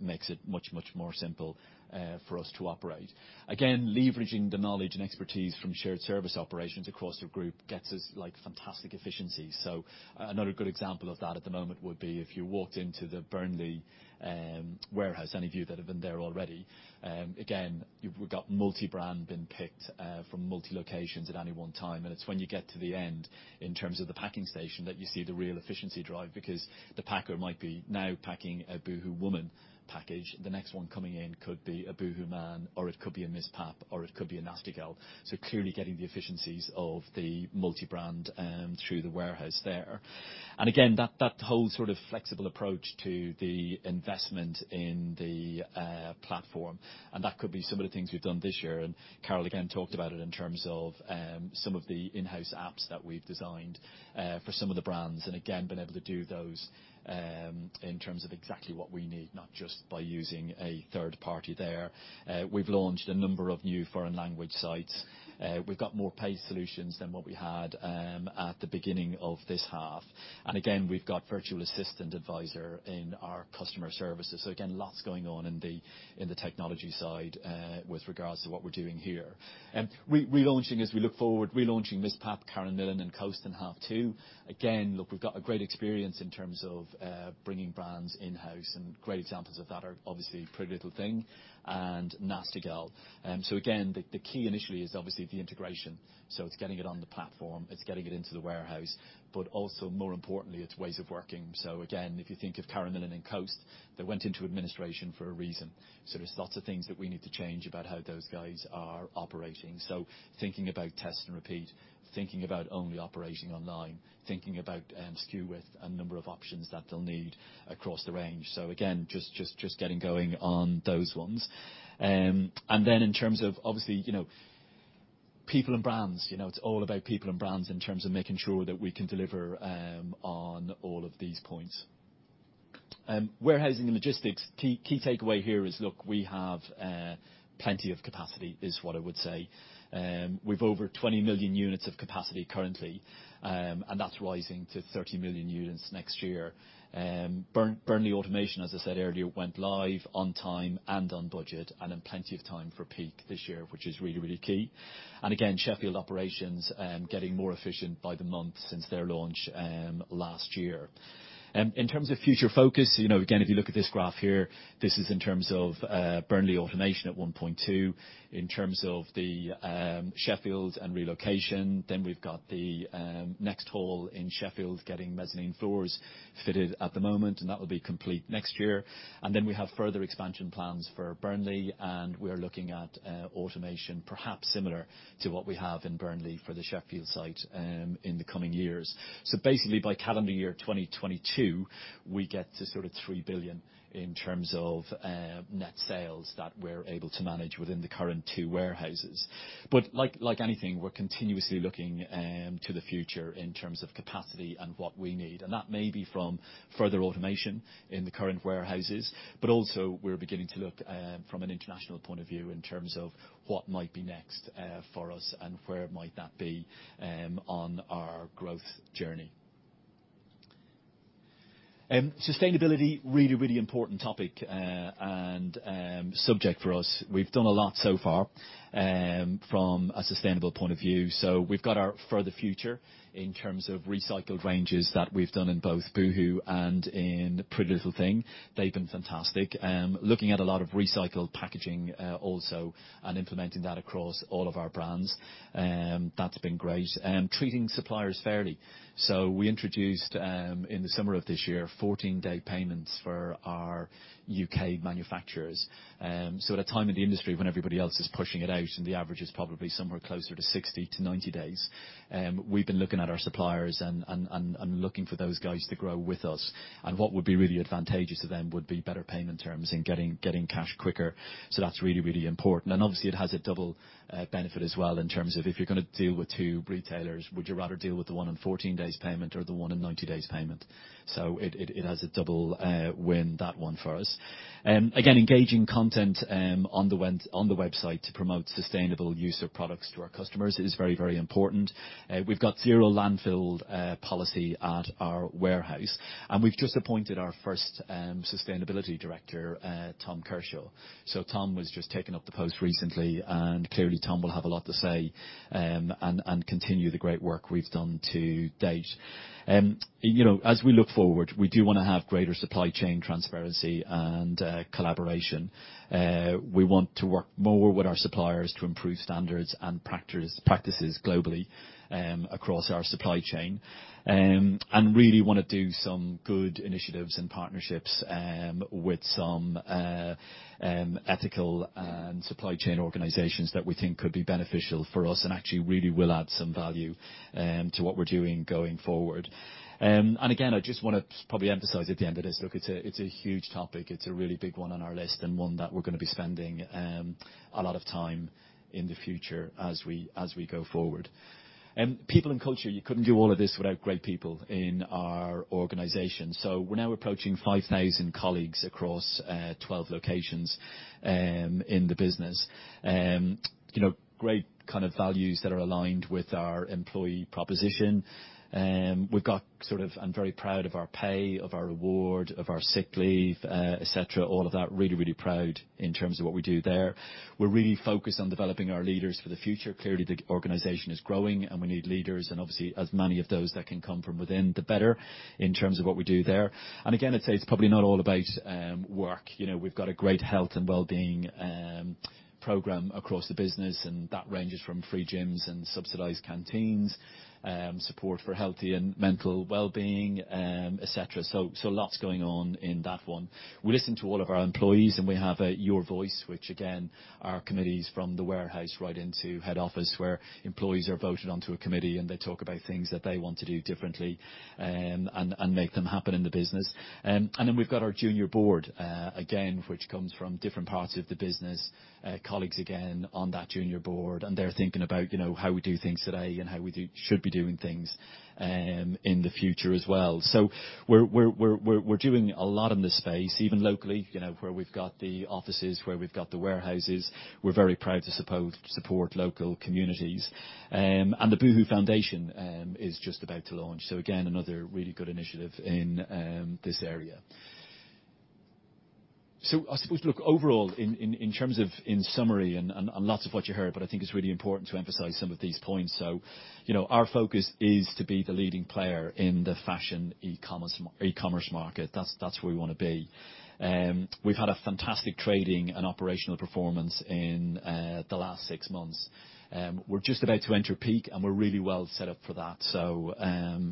makes it much, much more simple for us to operate. Again, leveraging the knowledge and expertise from shared service operations across the group gets us fantastic efficiencies. Another good example of that at the moment would be if you walked into the Burnley warehouse, any of you that have been there already. Again, we've got multi-brand being picked from multi-locations at any one time. And it's when you get to the end in terms of the packing station that you see the real efficiency drive because the packer might be now packing a boohoo woman package. The next one coming in could be a boohooMAN, or it could be a MissPap, or it could be a Nasty Gal. So clearly getting the efficiencies of the multi-brand through the warehouse there. And again, that whole sort of flexible approach to the investment in the platform. And that could be some of the things we've done this year. And Carol again talked about it in terms of some of the in-house apps that we've designed for some of the brands and again, been able to do those in terms of exactly what we need, not just by using a third party there. We've launched a number of new foreign language sites. We've got more paid solutions than what we had at the beginning of this half. And again, we've got virtual assistant advisor in our customer services. So again, lots going on in the technology side with regards to what we're doing here. Relaunching as we look forward, relaunching MissPap, Karen Millen, and Coast in half two. Again, look, we've got a great experience in terms of bringing brands in-house. Great examples of that are obviously PrettyLittleThing and Nasty Gal. So again, the key initially is obviously the integration. So it's getting it on the platform. It's getting it into the warehouse. But also more importantly, it's ways of working. So again, if you think of Karen Millen and Coast, they went into administration for a reason. So there's lots of things that we need to change about how those guys are operating. So thinking about test and repeat, thinking about only operating online, thinking about SKU width and number of options that they'll need across the range. So again, just getting going on those ones. And then in terms of obviously people and brands, it's all about people and brands in terms of making sure that we can deliver on all of these points. Warehousing and logistics, key takeaway here is, look, we have plenty of capacity is what I would say. We've over 20 million units of capacity currently, and that's rising to 30 million units next year. Burnley automation, as I said earlier, went live on time and on budget and in plenty of time for peak this year, which is really, really key. And again, Sheffield operations getting more efficient by the month since their launch last year. In terms of future focus, again, if you look at this graph here, this is in terms of Burnley automation at 1.2. In terms of the Sheffield and relocation, then we've got the next hall in Sheffield getting mezzanine floors fitted at the moment, and that will be complete next year. And then we have further expansion plans for Burnley, and we are looking at automation perhaps similar to what we have in Burnley for the Sheffield site in the coming years. So basically, by calendar year 2022, we get to sort of 3 billion in terms of net sales that we're able to manage within the current two warehouses. But like anything, we're continuously looking to the future in terms of capacity and what we need. And that may be from further automation in the current warehouses, but also we're beginning to look from an international point of view in terms of what might be next for us and where might that be on our growth journey. Sustainability, really, really important topic and subject for us. We've done a lot so far from a sustainable point of view. So we've got our For The Future in terms of recycled ranges that we've done in both boohoo and in PrettyLittleThing. They've been fantastic. Looking at a lot of recycled packaging also and implementing that across all of our brands, that's been great. Treating suppliers fairly. So we introduced in the summer of this year 14-day payments for our U.K. manufacturers. So at a time in the industry when everybody else is pushing it out and the average is probably somewhere closer to 60-90 days, we've been looking at our suppliers and looking for those guys to grow with us. And what would be really advantageous to them would be better payment terms and getting cash quicker. So that's really, really important. Obviously, it has a double benefit as well in terms of if you're going to deal with two retailers, would you rather deal with the one on 14 days payment or the one on 90 days payment? So it has a double win that one for us. Again, engaging content on the website to promote sustainable use of products to our customers is very, very important. We've got zero landfill policy at our warehouse. We've just appointed our first sustainability director, Tom Kershaw. So Tom was just taken up the post recently, and clearly, Tom will have a lot to say and continue the great work we've done to date. As we look forward, we do want to have greater supply chain transparency and collaboration. We want to work more with our suppliers to improve standards and practices globally across our supply chain and really want to do some good initiatives and partnerships with some ethical and supply chain organizations that we think could be beneficial for us and actually really will add some value to what we're doing going forward. And again, I just want to probably emphasize at the end of this, look, it's a huge topic. It's a really big one on our list and one that we're going to be spending a lot of time in the future as we go forward. People and culture, you couldn't do all of this without great people in our organization. So we're now approaching 5,000 colleagues across 12 locations in the business. Great kind of values that are aligned with our employee proposition. We've got sort of, I'm very proud of our pay, of our award, of our sick leave, etc. All of that really, really proud in terms of what we do there. We're really focused on developing our leaders for the future. Clearly, the organization is growing and we need leaders. And obviously, as many of those that can come from within, the better in terms of what we do there. And again, I'd say it's probably not all about work. We've got a great health and well-being program across the business, and that ranges from free gyms and subsidized canteens, support for healthy and mental well-being, etc. So lots going on in that one. We listen to all of our employees, and we have a Your Voice, which again, our committees from the warehouse right into head office where employees are voted onto a committee and they talk about things that they want to do differently and make them happen in the business. And then we've got our Junior Board again, which comes from different parts of the business, colleagues again on that Junior Board, and they're thinking about how we do things today and how we should be doing things in the future as well. So we're doing a lot in this space, even locally, where we've got the offices, where we've got the warehouses. We're very proud to support local communities. And the boohoo Foundation is just about to launch. So again, another really good initiative in this area. I suppose, look, overall, in terms of in summary and lots of what you heard, but I think it's really important to emphasize some of these points. Our focus is to be the leading player in the fashion e-commerce market. That's where we want to be. We've had a fantastic trading and operational performance in the last six months. We're just about to enter peak, and we're really well set up for that.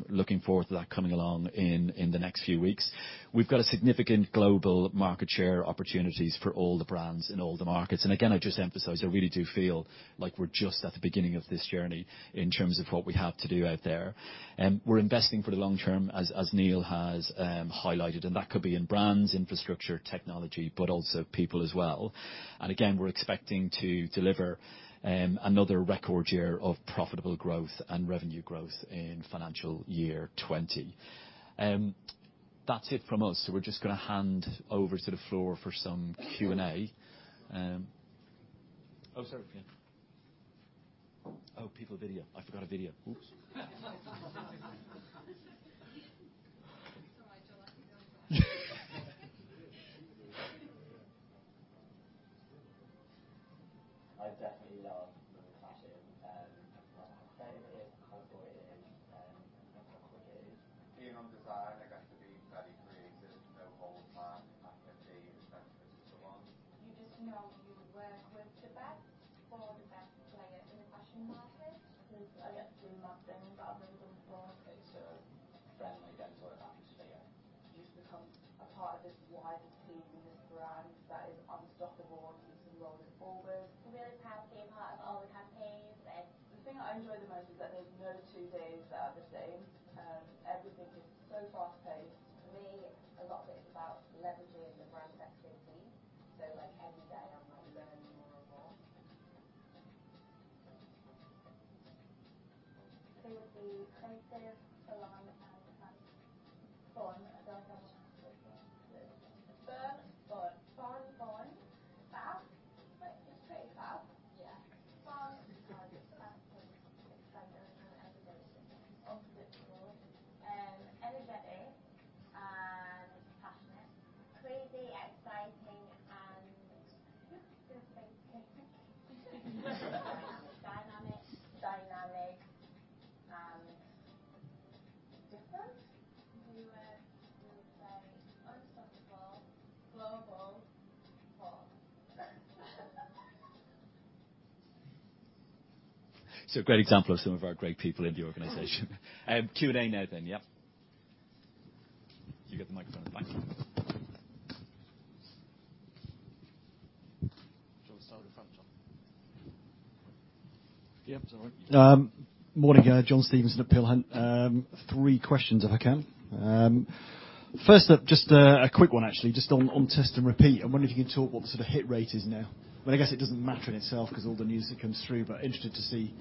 Looking forward to that coming along in the next few weeks. We've got a significant global market share opportunities for all the brands in all the markets. And again, I just emphasize, I really do feel like we're just at the beginning of this journey in terms of what we have to do out there. We're investing for the long term, as Neil has highlighted, and that could be in brands, infrastructure, technology, but also people as well. Again, we're expecting to deliver another record year of profitable growth and revenue growth in financial year 2020. That's it from us. So we're just going to hand over to the floor for some Q&A. Oh, sorry. Oh, people video. I forgot a video. Oops. I definitely love Nasty Gal. I love how creative it is, how cool it is, and how quick it is. Being on design, I guess, to be very creative, no holds barred, and be respectable to everyone. You just know you work with So a great example of some of our great people in the organization. Q&A now then. Yep. You get the microphone. Thank you. John, start at the front, John. Yeah, is that right? Morning, John Stevenson at Peel Hunt, three questions if I can. First up, just a quick one actually, just on test and repeat. I wonder if you can talk what the sort of hit rate is now. But I guess it doesn't matter in itself because all the news that comes through, but interested to see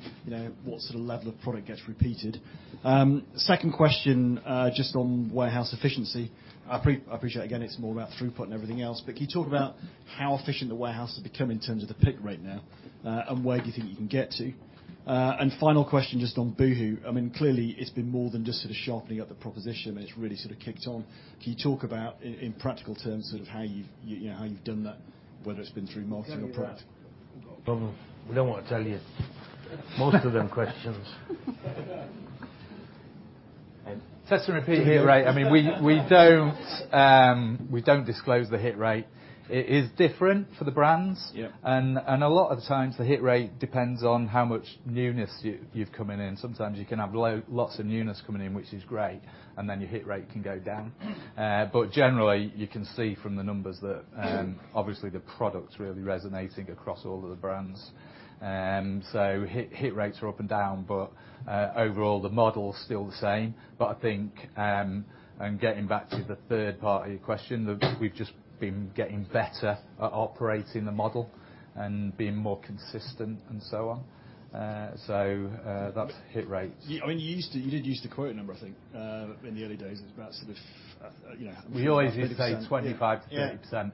what sort of level of product gets repeated. Second question just on warehouse efficiency. I appreciate again it's more about throughput and everything else, but can you talk about how efficient the warehouse has become in terms of the pick right now and where do you think you can get to? And final question just on Boohoo. I mean, clearly, it's been more than just sort of sharpening up the proposition, and it's really sort of kicked on. Can you talk about in practical terms sort of how you've done that, whether it's been through marketing or product? We don't want to tell you most of them questions. Test and repeat here, right? I mean, we don't disclose the hit rate. It is different for the brands. And a lot of times, the hit rate depends on how much newness you've come in. Sometimes you can have lots of newness coming in, which is great, and then your hit rate can go down. But generally, you can see from the numbers that obviously the product's really resonating across all of the brands. So hit rates are up and down, but overall, the model's still the same. But I think, and getting back to the third part of your question, that we've just been getting better at operating the model and being more consistent and so on. So that's hit rates. I mean, you did use the quote number, I think, in the early days. It's about sort of. We always say 25%-30%.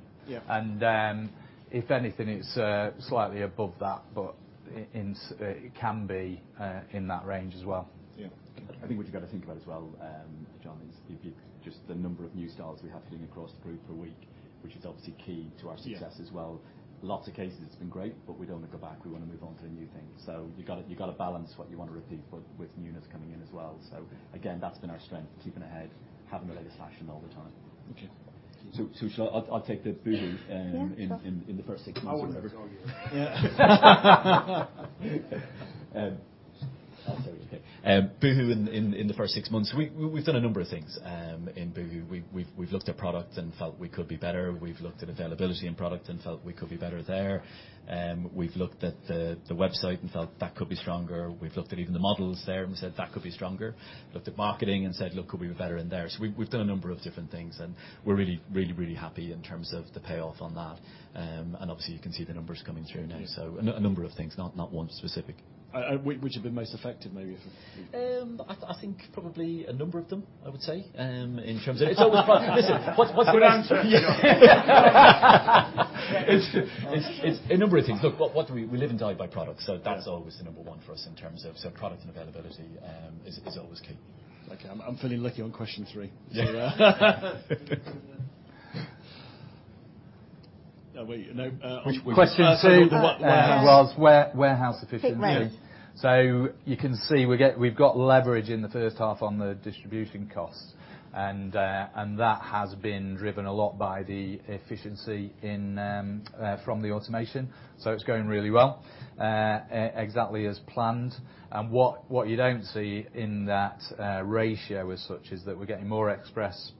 And if anything, it's slightly above that, but it can be in that range as well. Yeah. I think what you've got to think about as well, John, is just the number of new styles we have hitting across the group per week, which is obviously key to our success as well. Lots of cases, it's been great, but we don't want to go back. We want to move on to a new thing. So you've got to balance what you want to repeat with newness coming in as well. So again, that's been our strength, keeping ahead, having the latest fashion all the time. Okay. So I'll take the boohoo in the first six months or whatever. I'll tell you. Boohoo in the first six months. We've done a number of things in Boohoo. We've looked at product and felt we could be better. We've looked at availability and product and felt we could be better there. We've looked at the website and felt that could be stronger. We've looked at even the models there and said that could be stronger. Looked at marketing and said, "Look, could we be better in there?" So we've done a number of different things, and we're really, really, really happy in terms of the payoff on that. And obviously, you can see the numbers coming through now. So a number of things, not one specific. Which have been most effective, maybe? I think probably a number of them, I would say, in terms of. It's always fun. Listen, what's the answer? It's a number of things. Look, we live and die by product, so that's always the number one for us in terms of product and availability is always key. Okay. I'm feeling lucky on question three. Question two. Was warehouse efficiency. So you can see we've got leverage in the first half on the distribution cost, and that has been driven a lot by the efficiency from the automation. So it's going really well, exactly as planned. And what you don't see in that ratio as such is that we're getting more express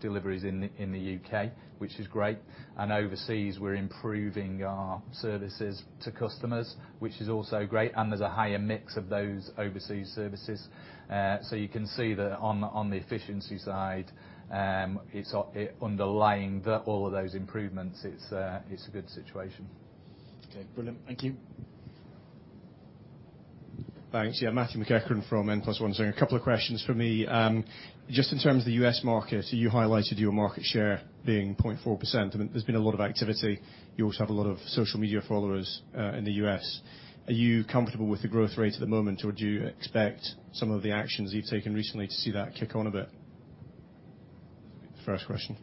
deliveries in the UK, which is great. And overseas, we're improving our services to customers, which is also great. And there's a higher mix of those overseas services. So you can see that on the efficiency side, it's underlying all of those improvements. It's a good situation. Okay. Brilliant. Thank you. Thanks. Yeah, Matthew McEachran from N+1 Singer. So a couple of questions for me. Just in terms of the U.S. market, you highlighted your market share being 0.4%. There's been a lot of activity. You also have a lot of social media followers in the U.S. Are you comfortable with the growth rate at the moment, or do you expect some of the actions you've taken recently to see that kick on a bit? First question.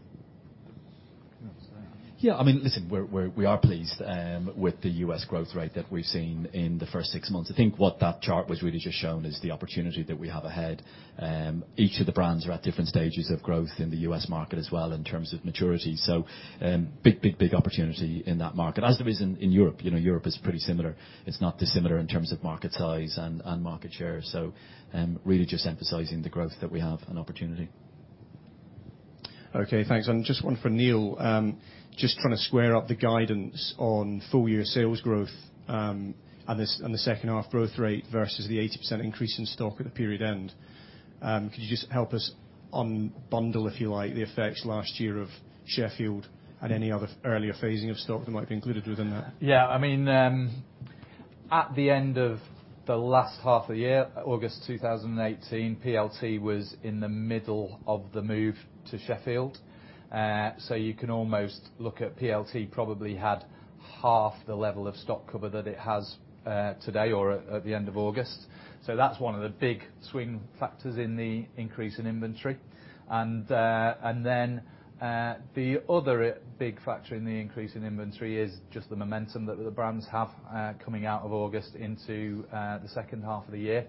Yeah. I mean, listen, we are pleased with the U.S. growth rate that we've seen in the first six months. I think what that chart was really just showing is the opportunity that we have ahead. Each of the brands are at different stages of growth in the U.S. market as well in terms of maturity. So big, big, big opportunity in that market. As there is in Europe, Europe is pretty similar. It's not dissimilar in terms of market size and market share. So really just emphasizing the growth that we have and opportunity. Okay. Thanks. And just one for Neil. Just trying to square up the guidance on full-year sales growth and the second-half growth rate versus the 80% increase in stock at the period end. Could you just help us bundle, if you like, the effects last year of Sheffield and any other earlier phasing of stock that might be included within that? Yeah. I mean, at the end of the last half of the year, August 2018, PLT was in the middle of the move to Sheffield. So you can almost look at PLT probably had half the level of stock cover that it has today or at the end of August. So that's one of the big swing factors in the increase in inventory. Then the other big factor in the increase in inventory is just the momentum that the brands have coming out of August into the second half of the year.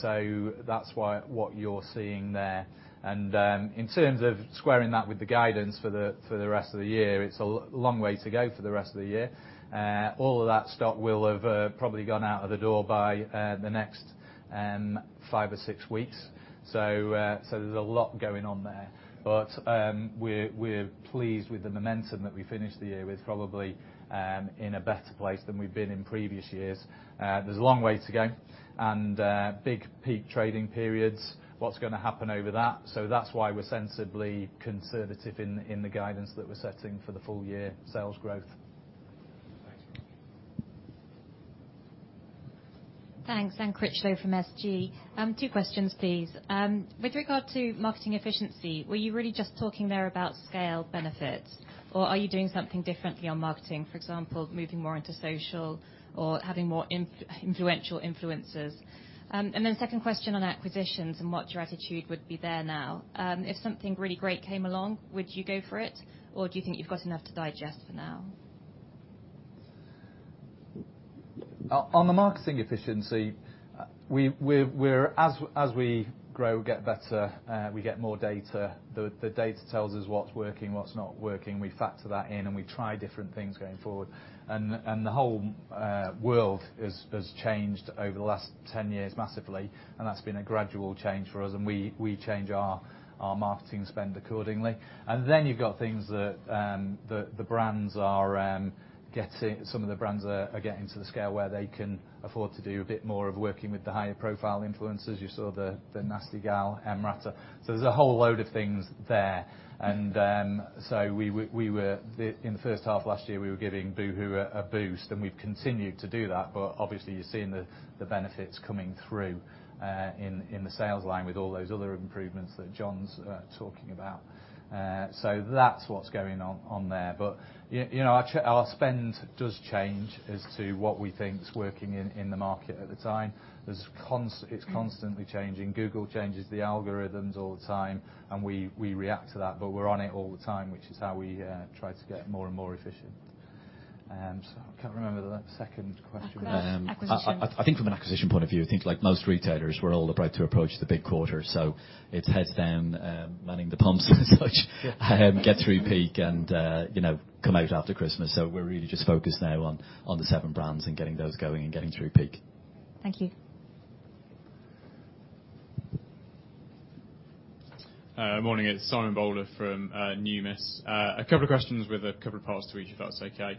So that's what you're seeing there. And in terms of squaring that with the guidance for the rest of the year, it's a long way to go for the rest of the year. All of that stock will have probably gone out of the door by the next five or six weeks. So there's a lot going on there. But we're pleased with the momentum that we finished the year with, probably in a better place than we've been in previous years. There's a long way to go. And big peak trading periods, what's going to happen over that? So that's why we're sensibly conservative in the guidance that we're setting for the full-year sales growth. Thanks. Thanks. Anne Critchlow from SG. Two questions, please. With regard to marketing efficiency, were you really just talking there about scale benefits, or are you doing something differently on marketing, for example, moving more into social or having more influential influencers? And then second question on acquisitions and what your attitude would be there now. If something really great came along, would you go for it, or do you think you've got enough to digest for now? On the marketing efficiency, as we grow, get better, we get more data. The data tells us what's working, what's not working. We factor that in, and we try different things going forward. And the whole world has changed over the last 10 years massively, and that's been a gradual change for us. And we change our marketing spend accordingly. And then you've got things that the brands are getting. Some of the brands are getting to the scale where they can afford to do a bit more of working with the higher profile influencers. You saw the Nasty Gal, EmRata. So there's a whole load of things there. And so in the first half of last year, we were giving boohoo a boost, and we've continued to do that. But obviously, you're seeing the benefits coming through in the sales line with all those other improvements that John's talking about. So that's what's going on there. But our spend does change as to what we think's working in the market at the time. It's constantly changing. Google changes the algorithms all the time, and we react to that. But we're on it all the time, which is how we try to get more and more efficient. So I can't remember the second question. Acquisition. I think from an acquisition point of view, I think like most retailers, we're all about to approach the big quarter. So it's heads down, manning the pumps and such, get through peak, and come out after Christmas. So we're really just focused now on the seven brands and getting those going and getting through peak. Thank you. Morning. It's Simon Bowler from Numis. A couple of questions with a couple of parts to each, if that's okay.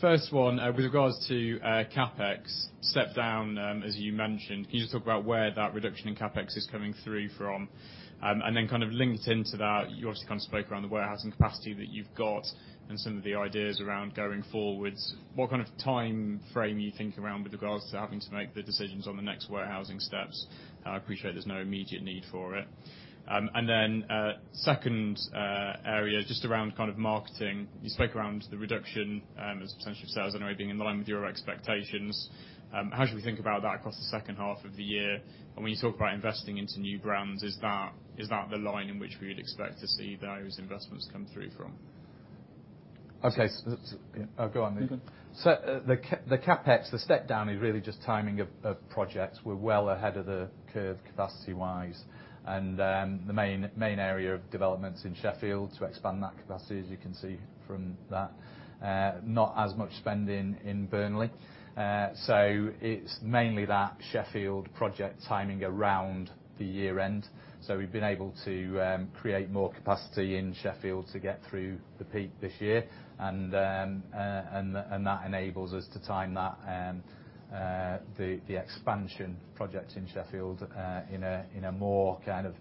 First one, with regards to CAPEX, step down, as you mentioned. Can you just talk about where that reduction in CAPEX is coming through from? And then kind of linked into that, you obviously kind of spoke around the warehousing capacity that you've got and some of the ideas around going forwards. What kind of time frame are you thinking around with regards to having to make the decisions on the next warehousing steps? I appreciate there's no immediate need for it. And then second area, just around kind of marketing. You spoke around the reduction and substantial sales anyway being in line with your expectations. How should we think about that across the second half of the year? And when you talk about investing into new brands, is that the line in which we would expect to see those investments come through from? Okay. Go on, Neil. So the CAPEX, the step down, is really just timing of projects. We're well ahead of the curve capacity-wise. And the main area of development's in Sheffield to expand that capacity, as you can see from that. Not as much spending in Burnley. So it's mainly that Sheffield project timing around the year-end. So we've been able to create more capacity in Sheffield to get through the peak this year. And that enables us to time the expansion project in Sheffield in a more kind of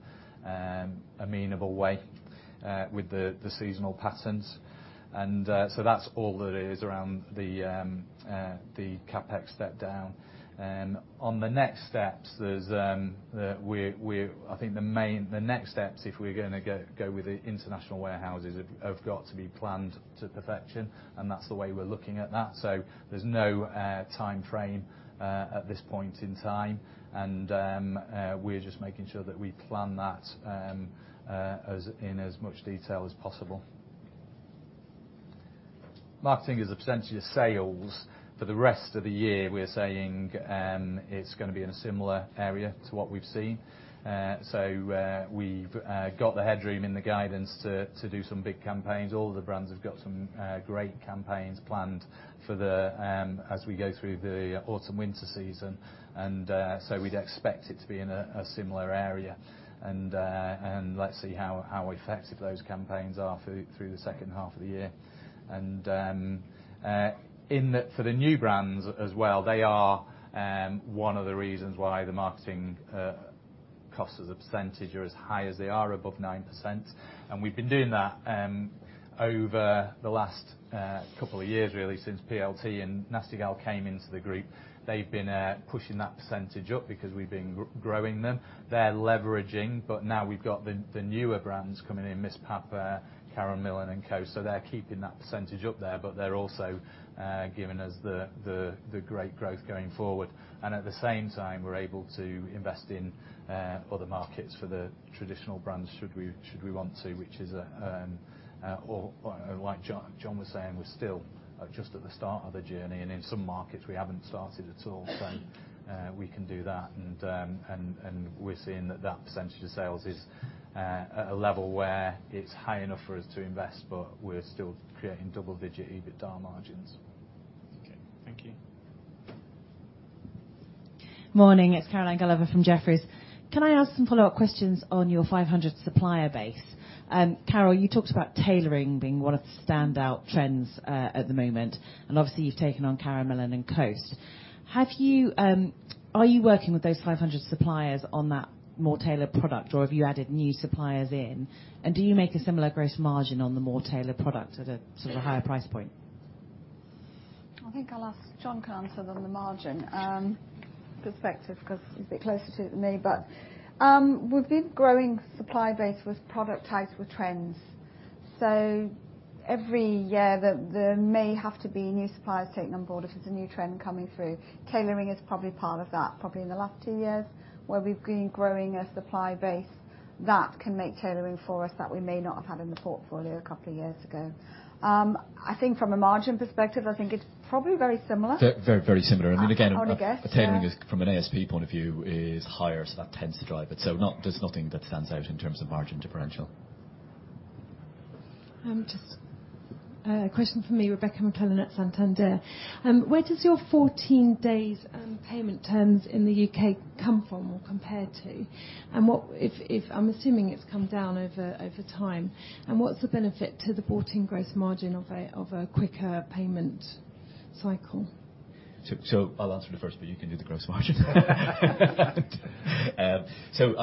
amenable way with the seasonal patterns. And so that's all that is around the CAPEX step down. On the next steps, I think the next steps, if we're going to go with the international warehouses, have got to be planned to perfection. And that's the way we're looking at that. So there's no time frame at this point in time. And we're just making sure that we plan that in as much detail as possible. Marketing is a percentage of sales. For the rest of the year, we're saying it's going to be in a similar area to what we've seen. So we've got the headroom in the guidance to do some big campaigns. All of the brands have got some great campaigns planned as we go through the autumn-winter season. So we'd expect it to be in a similar area. Let's see how effective those campaigns are through the second half of the year. For the new brands as well, they are one of the reasons why the marketing costs as a percentage are as high as they are above 9%. We've been doing that over the last couple of years, really, since PLT and Nasty Gal came into the group. They've been pushing that percentage up because we've been growing them. They're leveraging, but now we've got the newer brands coming in, MissPap, Karen Millen, and Coast. So they're keeping that percentage up there, but they're also giving us the great growth going forward. And at the same time, we're able to invest in other markets for the traditional brands should we want to, which is like John was saying, we're still just at the start of the journey. And in some markets, we haven't started at all. So we can do that. And we're seeing that that percentage of sales is at a level where it's high enough for us to invest, but we're still creating double-digit EBITDA margins. Okay. Thank you. Morning. It's Caroline Gulliver from Jefferies. Can I ask some follow-up questions on your 500 supplier base? Carol, you talked about tailoring being one of the standout trends at the moment. And obviously, you've taken on Karen Millen and Coast. Are you working with those 500 suppliers on that more tailored product, or have you added new suppliers in? Do you make a similar gross margin on the more tailored product at a sort of higher price point? I think I'll ask John can answer on the margin perspective because he's a bit closer to it than me. We've been growing supply base with product ties with trends. So every year, there may have to be new suppliers taken on board if it's a new trend coming through. Tailoring is probably part of that, probably in the last two years where we've been growing a supply base that can make tailoring for us that we may not have had in the portfolio a couple of years ago. I think from a margin perspective, I think it's probably very similar. Very, very similar. I mean, again, tailoring from an ASP point of view is higher, so that tends to drive it. So there's nothing that stands out in terms of margin differential. Just a question from me, Rebecca McClellan at Santander. Where does your 14-day payment terms in the U.K. come from or compare to? I'm assuming it's come down over time. And what's the benefit to the 14 gross margin of a quicker payment cycle? So I'll answer the first, but you can do the gross margin. So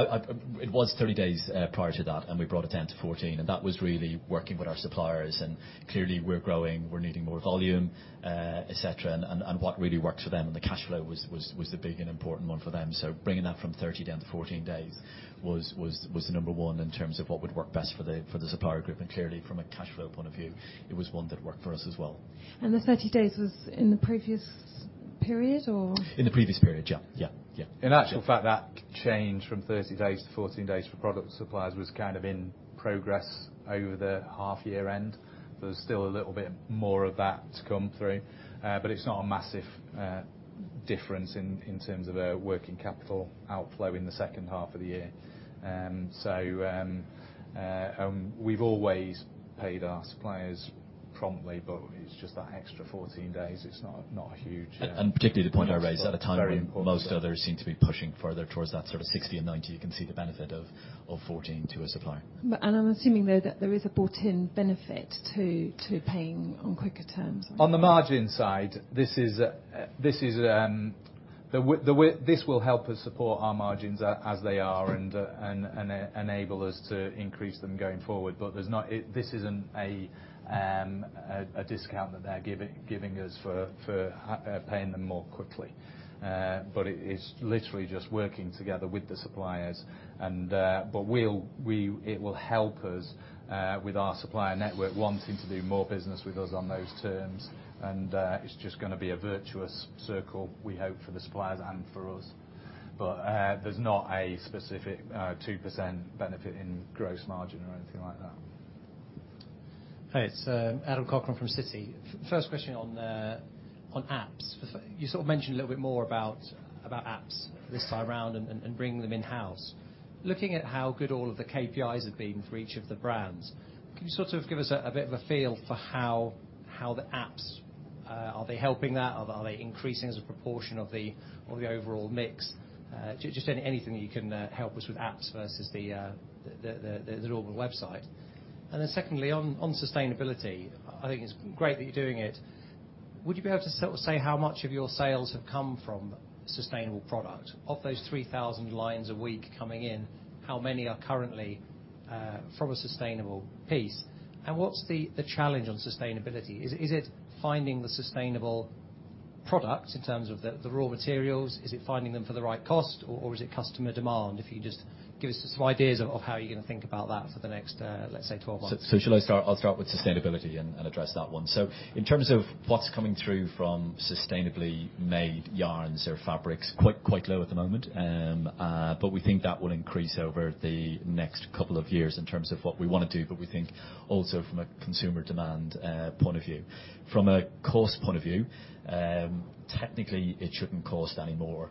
it was 30 days prior to that, and we brought it down to 14. And that was really working with our suppliers. And clearly, we're growing. We're needing more volume, etc. And what really works for them and the cash flow was the big and important one for them. So bringing that from 30 down to 14 days was the number one in terms of what would work best for the supplier group. Clearly, from a cash flow point of view, it was one that worked for us as well. And the 30 days was in the previous period, or? In the previous period, yeah. Yeah. Yeah. In actual fact, that change from 30 days to 14 days for product suppliers was kind of in progress over the half-year end. There was still a little bit more of that to come through. But it's not a massive difference in terms of a working capital outflow in the second half of the year. So we've always paid our suppliers promptly, but it's just that extra 14 days. It's not a huge. And particularly the point I raised at a time when most others seem to be pushing further towards that sort of 60 and 90, you can see the benefit of 14 to a supplier. I'm assuming, though, that there is a built-in benefit to paying on quicker terms. On the margin side, this will help us support our margins as they are and enable us to increase them going forward. But this isn't a discount that they're giving us for paying them more quickly. But it's literally just working together with the suppliers. But it will help us with our supplier network wanting to do more business with us on those terms. And it's just going to be a virtuous circle, we hope, for the suppliers and for us. But there's not a specific 2% benefit in gross margin or anything like that. Hey, it's Adam Cochrane from Citi. First question on apps. You sort of mentioned a little bit more about apps this time around and bringing them in-house. Looking at how good all of the KPIs have been for each of the brands, can you sort of give us a bit of a feel for how the apps, are they helping that? Are they increasing as a proportion of the overall mix? Just anything that you can help us with apps versus the normal website. And then secondly, on sustainability, I think it's great that you're doing it. Would you be able to sort of say how much of your sales have come from sustainable product? Of those 3,000 lines a week coming in, how many are currently from a sustainable piece? And what's the challenge on sustainability? Is it finding the sustainable product in terms of the raw materials? Is it finding them for the right cost, or is it customer demand? If you just give us some ideas of how you're going to think about that for the next, let's say, 12 months? So I'll start with sustainability and address that one. So in terms of what's coming through from sustainably made yarns or fabrics, quite low at the moment. But we think that will increase over the next couple of years in terms of what we want to do, but we think also from a consumer demand point of view. From a cost point of view, technically, it shouldn't cost any more.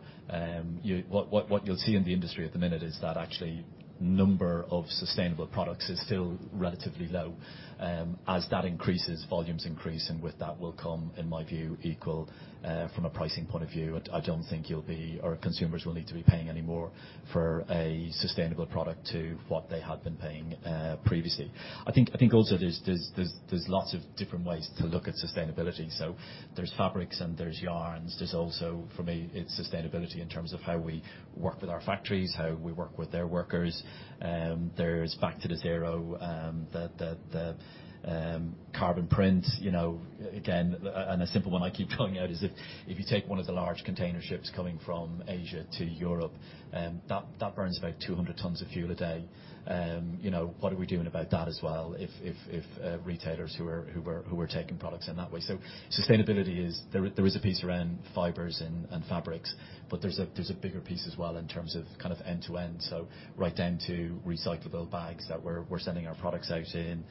What you'll see in the industry at the minute is that actually number of sustainable products is still relatively low. As that increases, volumes increase, and with that will come, in my view, equal from a pricing point of view. I don't think you'll be—or consumers will need to be paying any more for a sustainable product than what they had been paying previously. I think also there's lots of different ways to look at sustainability. So there's fabrics and there's yarns. There's also, for me, it's sustainability in terms of how we work with our factories, how we work with their workers. There's back to the zero, the carbon footprint. Again, and a simple one I keep pulling out is if you take one of the large container ships coming from Asia to Europe, that burns about 200 tons of fuel a day. What are we doing about that as well if retailers who are taking products in that way? So sustainability is there is a piece around fibers and fabrics, but there's a bigger piece as well in terms of kind of end-to-end. So right down to recyclable bags that we're sending our products out in.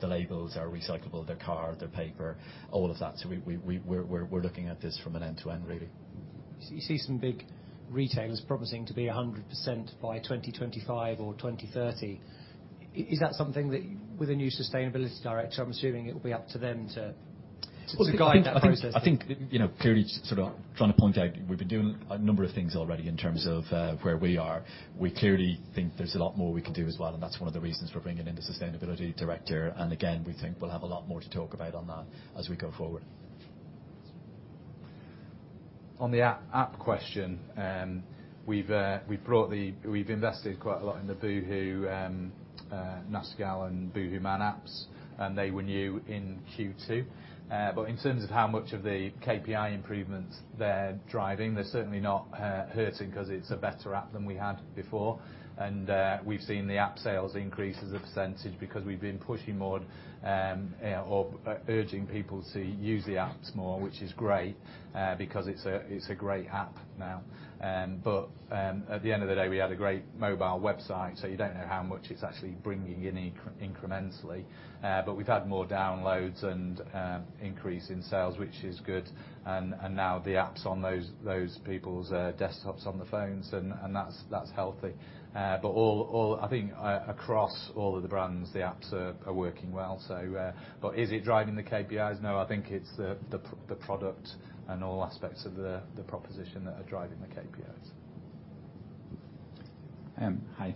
The labels are recyclable. Their cardboard, their paper, all of that. So we're looking at this from an end-to-end, really. You see some big retailers promising to be 100% by 2025 or 2030. Is that something that with a new sustainability director, I'm assuming it will be up to them to guide that process? I think clearly sort of trying to point out we've been doing a number of things already in terms of where we are. We clearly think there's a lot more we can do as well. And that's one of the reasons we're bringing in the sustainability director. And again, we think we'll have a lot more to talk about on that as we go forward. On the app question, we've invested quite a lot in the boohoo, Nasty Gal, and boohooMAN apps. They were new in Q2. But in terms of how much of the KPI improvements they're driving, they're certainly not hurting because it's a better app than we had before. We've seen the app sales increase as a percentage because we've been pushing more or urging people to use the apps more, which is great because it's a great app now. At the end of the day, we had a great mobile website, so you don't know how much it's actually bringing in incrementally. We've had more downloads and increase in sales, which is good. Now the apps on those people's desktops on the phones, and that's healthy. I think across all of the brands, the apps are working well. Is it driving the KPIs? No, I think it's the product and all aspects of the proposition that are driving the KPIs. Hi.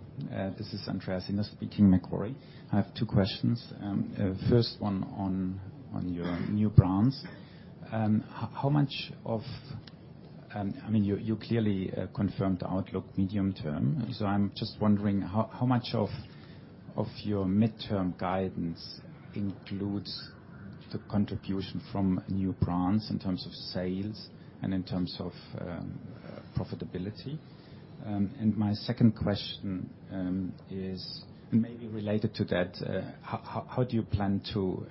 This is Andreas Inderst speaking, Macquarie. I have two questions. First one on your new brands. How much of—I mean, you clearly confirmed the outlook medium term. So I'm just wondering how much of your midterm guidance includes the contribution from new brands in terms of sales and in terms of profitability? And my second question is maybe related to that. How do you plan to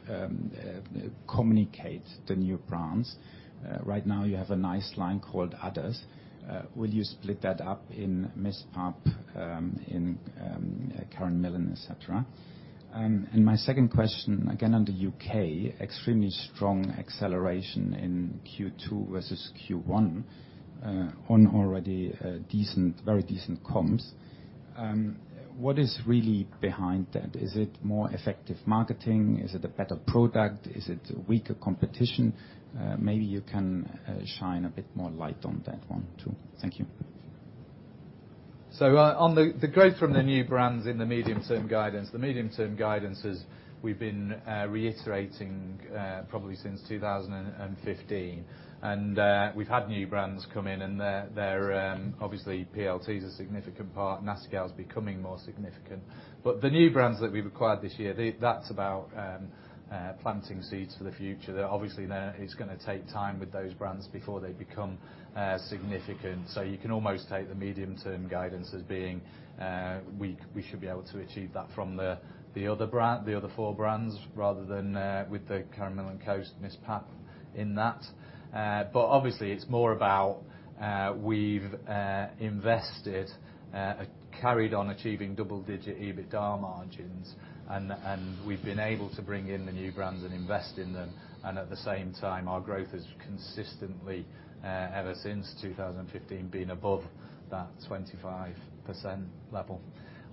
communicate the new brands? Right now, you have a nice line called Others. Will you split that up in MissPap, in Karen Millen, etc.? And my second question, again on the U.K., extremely strong acceleration in Q2 versus Q1 on already very decent comps. What is really behind that? Is it more effective marketing? Is it a better product? Is it weaker competition? Maybe you can shine a bit more light on that one too. Thank you. So on the growth from the new brands in the medium-term guidance, the medium-term guidance has been reiterating probably since 2015. We've had new brands come in, and obviously, PLT is a significant part. Nasty Gal's becoming more significant. But the new brands that we've acquired this year, that's about planting seeds for the future. Obviously, it's going to take time with those brands before they become significant. So you can almost take the medium-term guidance as being we should be able to achieve that from the other four brands rather than with the Karen Millen, Coast, MissPap in that. But obviously, it's more about we've invested, carried on achieving double-digit EBITDA margins, and we've been able to bring in the new brands and invest in them. At the same time, our growth has consistently ever since 2015 been above that 25% level.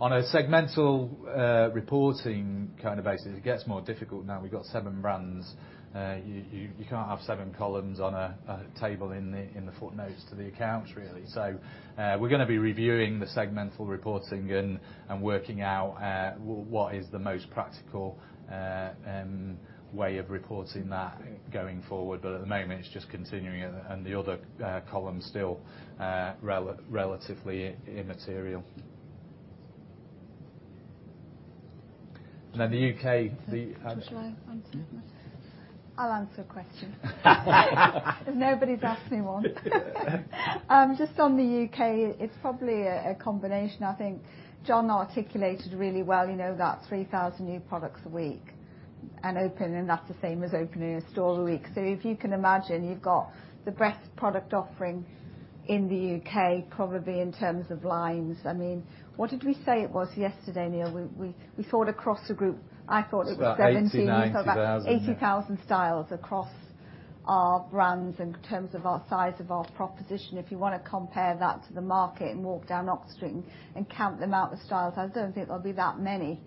On a segmental reporting kind of basis, it gets more difficult now. We've got seven brands. You can't have seven columns on a table in the footnotes to the accounts, really. So we're going to be reviewing the segmental reporting and working out what is the most practical way of reporting that going forward. But at the moment, it's just continuing, and the other columns still relatively immaterial. And then the U.K. I'll answer a question. Nobody's asked me one. Just on the U.K., it's probably a combination. I think John articulated really well that 3,000 new products a week and opening, and that's the same as opening a store a week. So if you can imagine, you've got the best product offering in the UK, probably in terms of lines. I mean, what did we say it was yesterday, Neil? We thought across the group, I thought it was 17, so about 80,000 styles across our brands in terms of our size of our proposition. If you want to compare that to the market and walk down Oxford and count them out with styles, I don't think there'll be that many.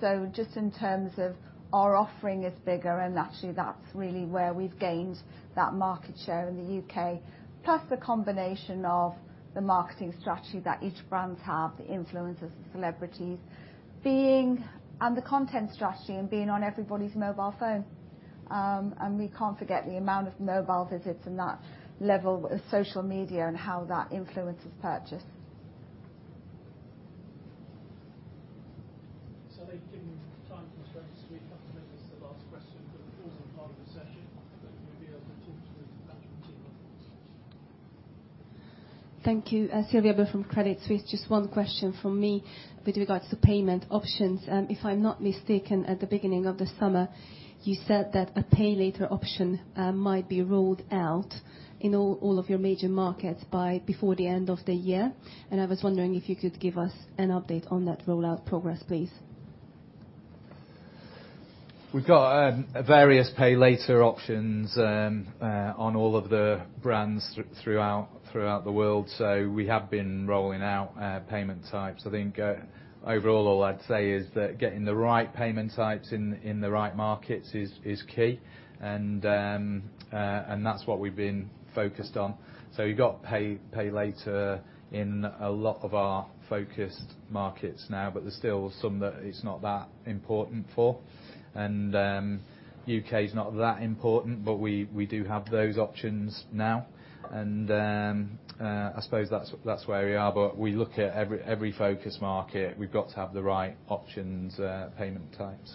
So just in terms of our offering is bigger, and actually, that's really where we've gained that market share in the U.K., plus the combination of the marketing strategy that each brand has, the influencers, the celebrities, and the content strategy and being on everybody's mobile phone. And we can't forget the amount of mobile visits and that level of social media and how that influences purchase. So I think given time constraints, we have to make this the last question, but it's also part of the session that we'll be able to talk to the management team. Thank you. [Sylvia] from Credit Suisse, just one question from me with regards to payment options. If I'm not mistaken, at the beginning of the summer, you said that a pay later option might be rolled out in all of your major markets before the end of the year. And I was wondering if you could give us an update on that rollout progress, please. We've got various pay later options on all of the brands throughout the world. So we have been rolling out payment types. I think overall, all I'd say is that getting the right payment types in the right markets is key. And that's what we've been focused on. So you've got pay later in a lot of our focused markets now, but there's still some that it's not that important for. And UK is not that important, but we do have those options now. I suppose that's where we are. We look at every focus market. We've got to have the right options, payment types.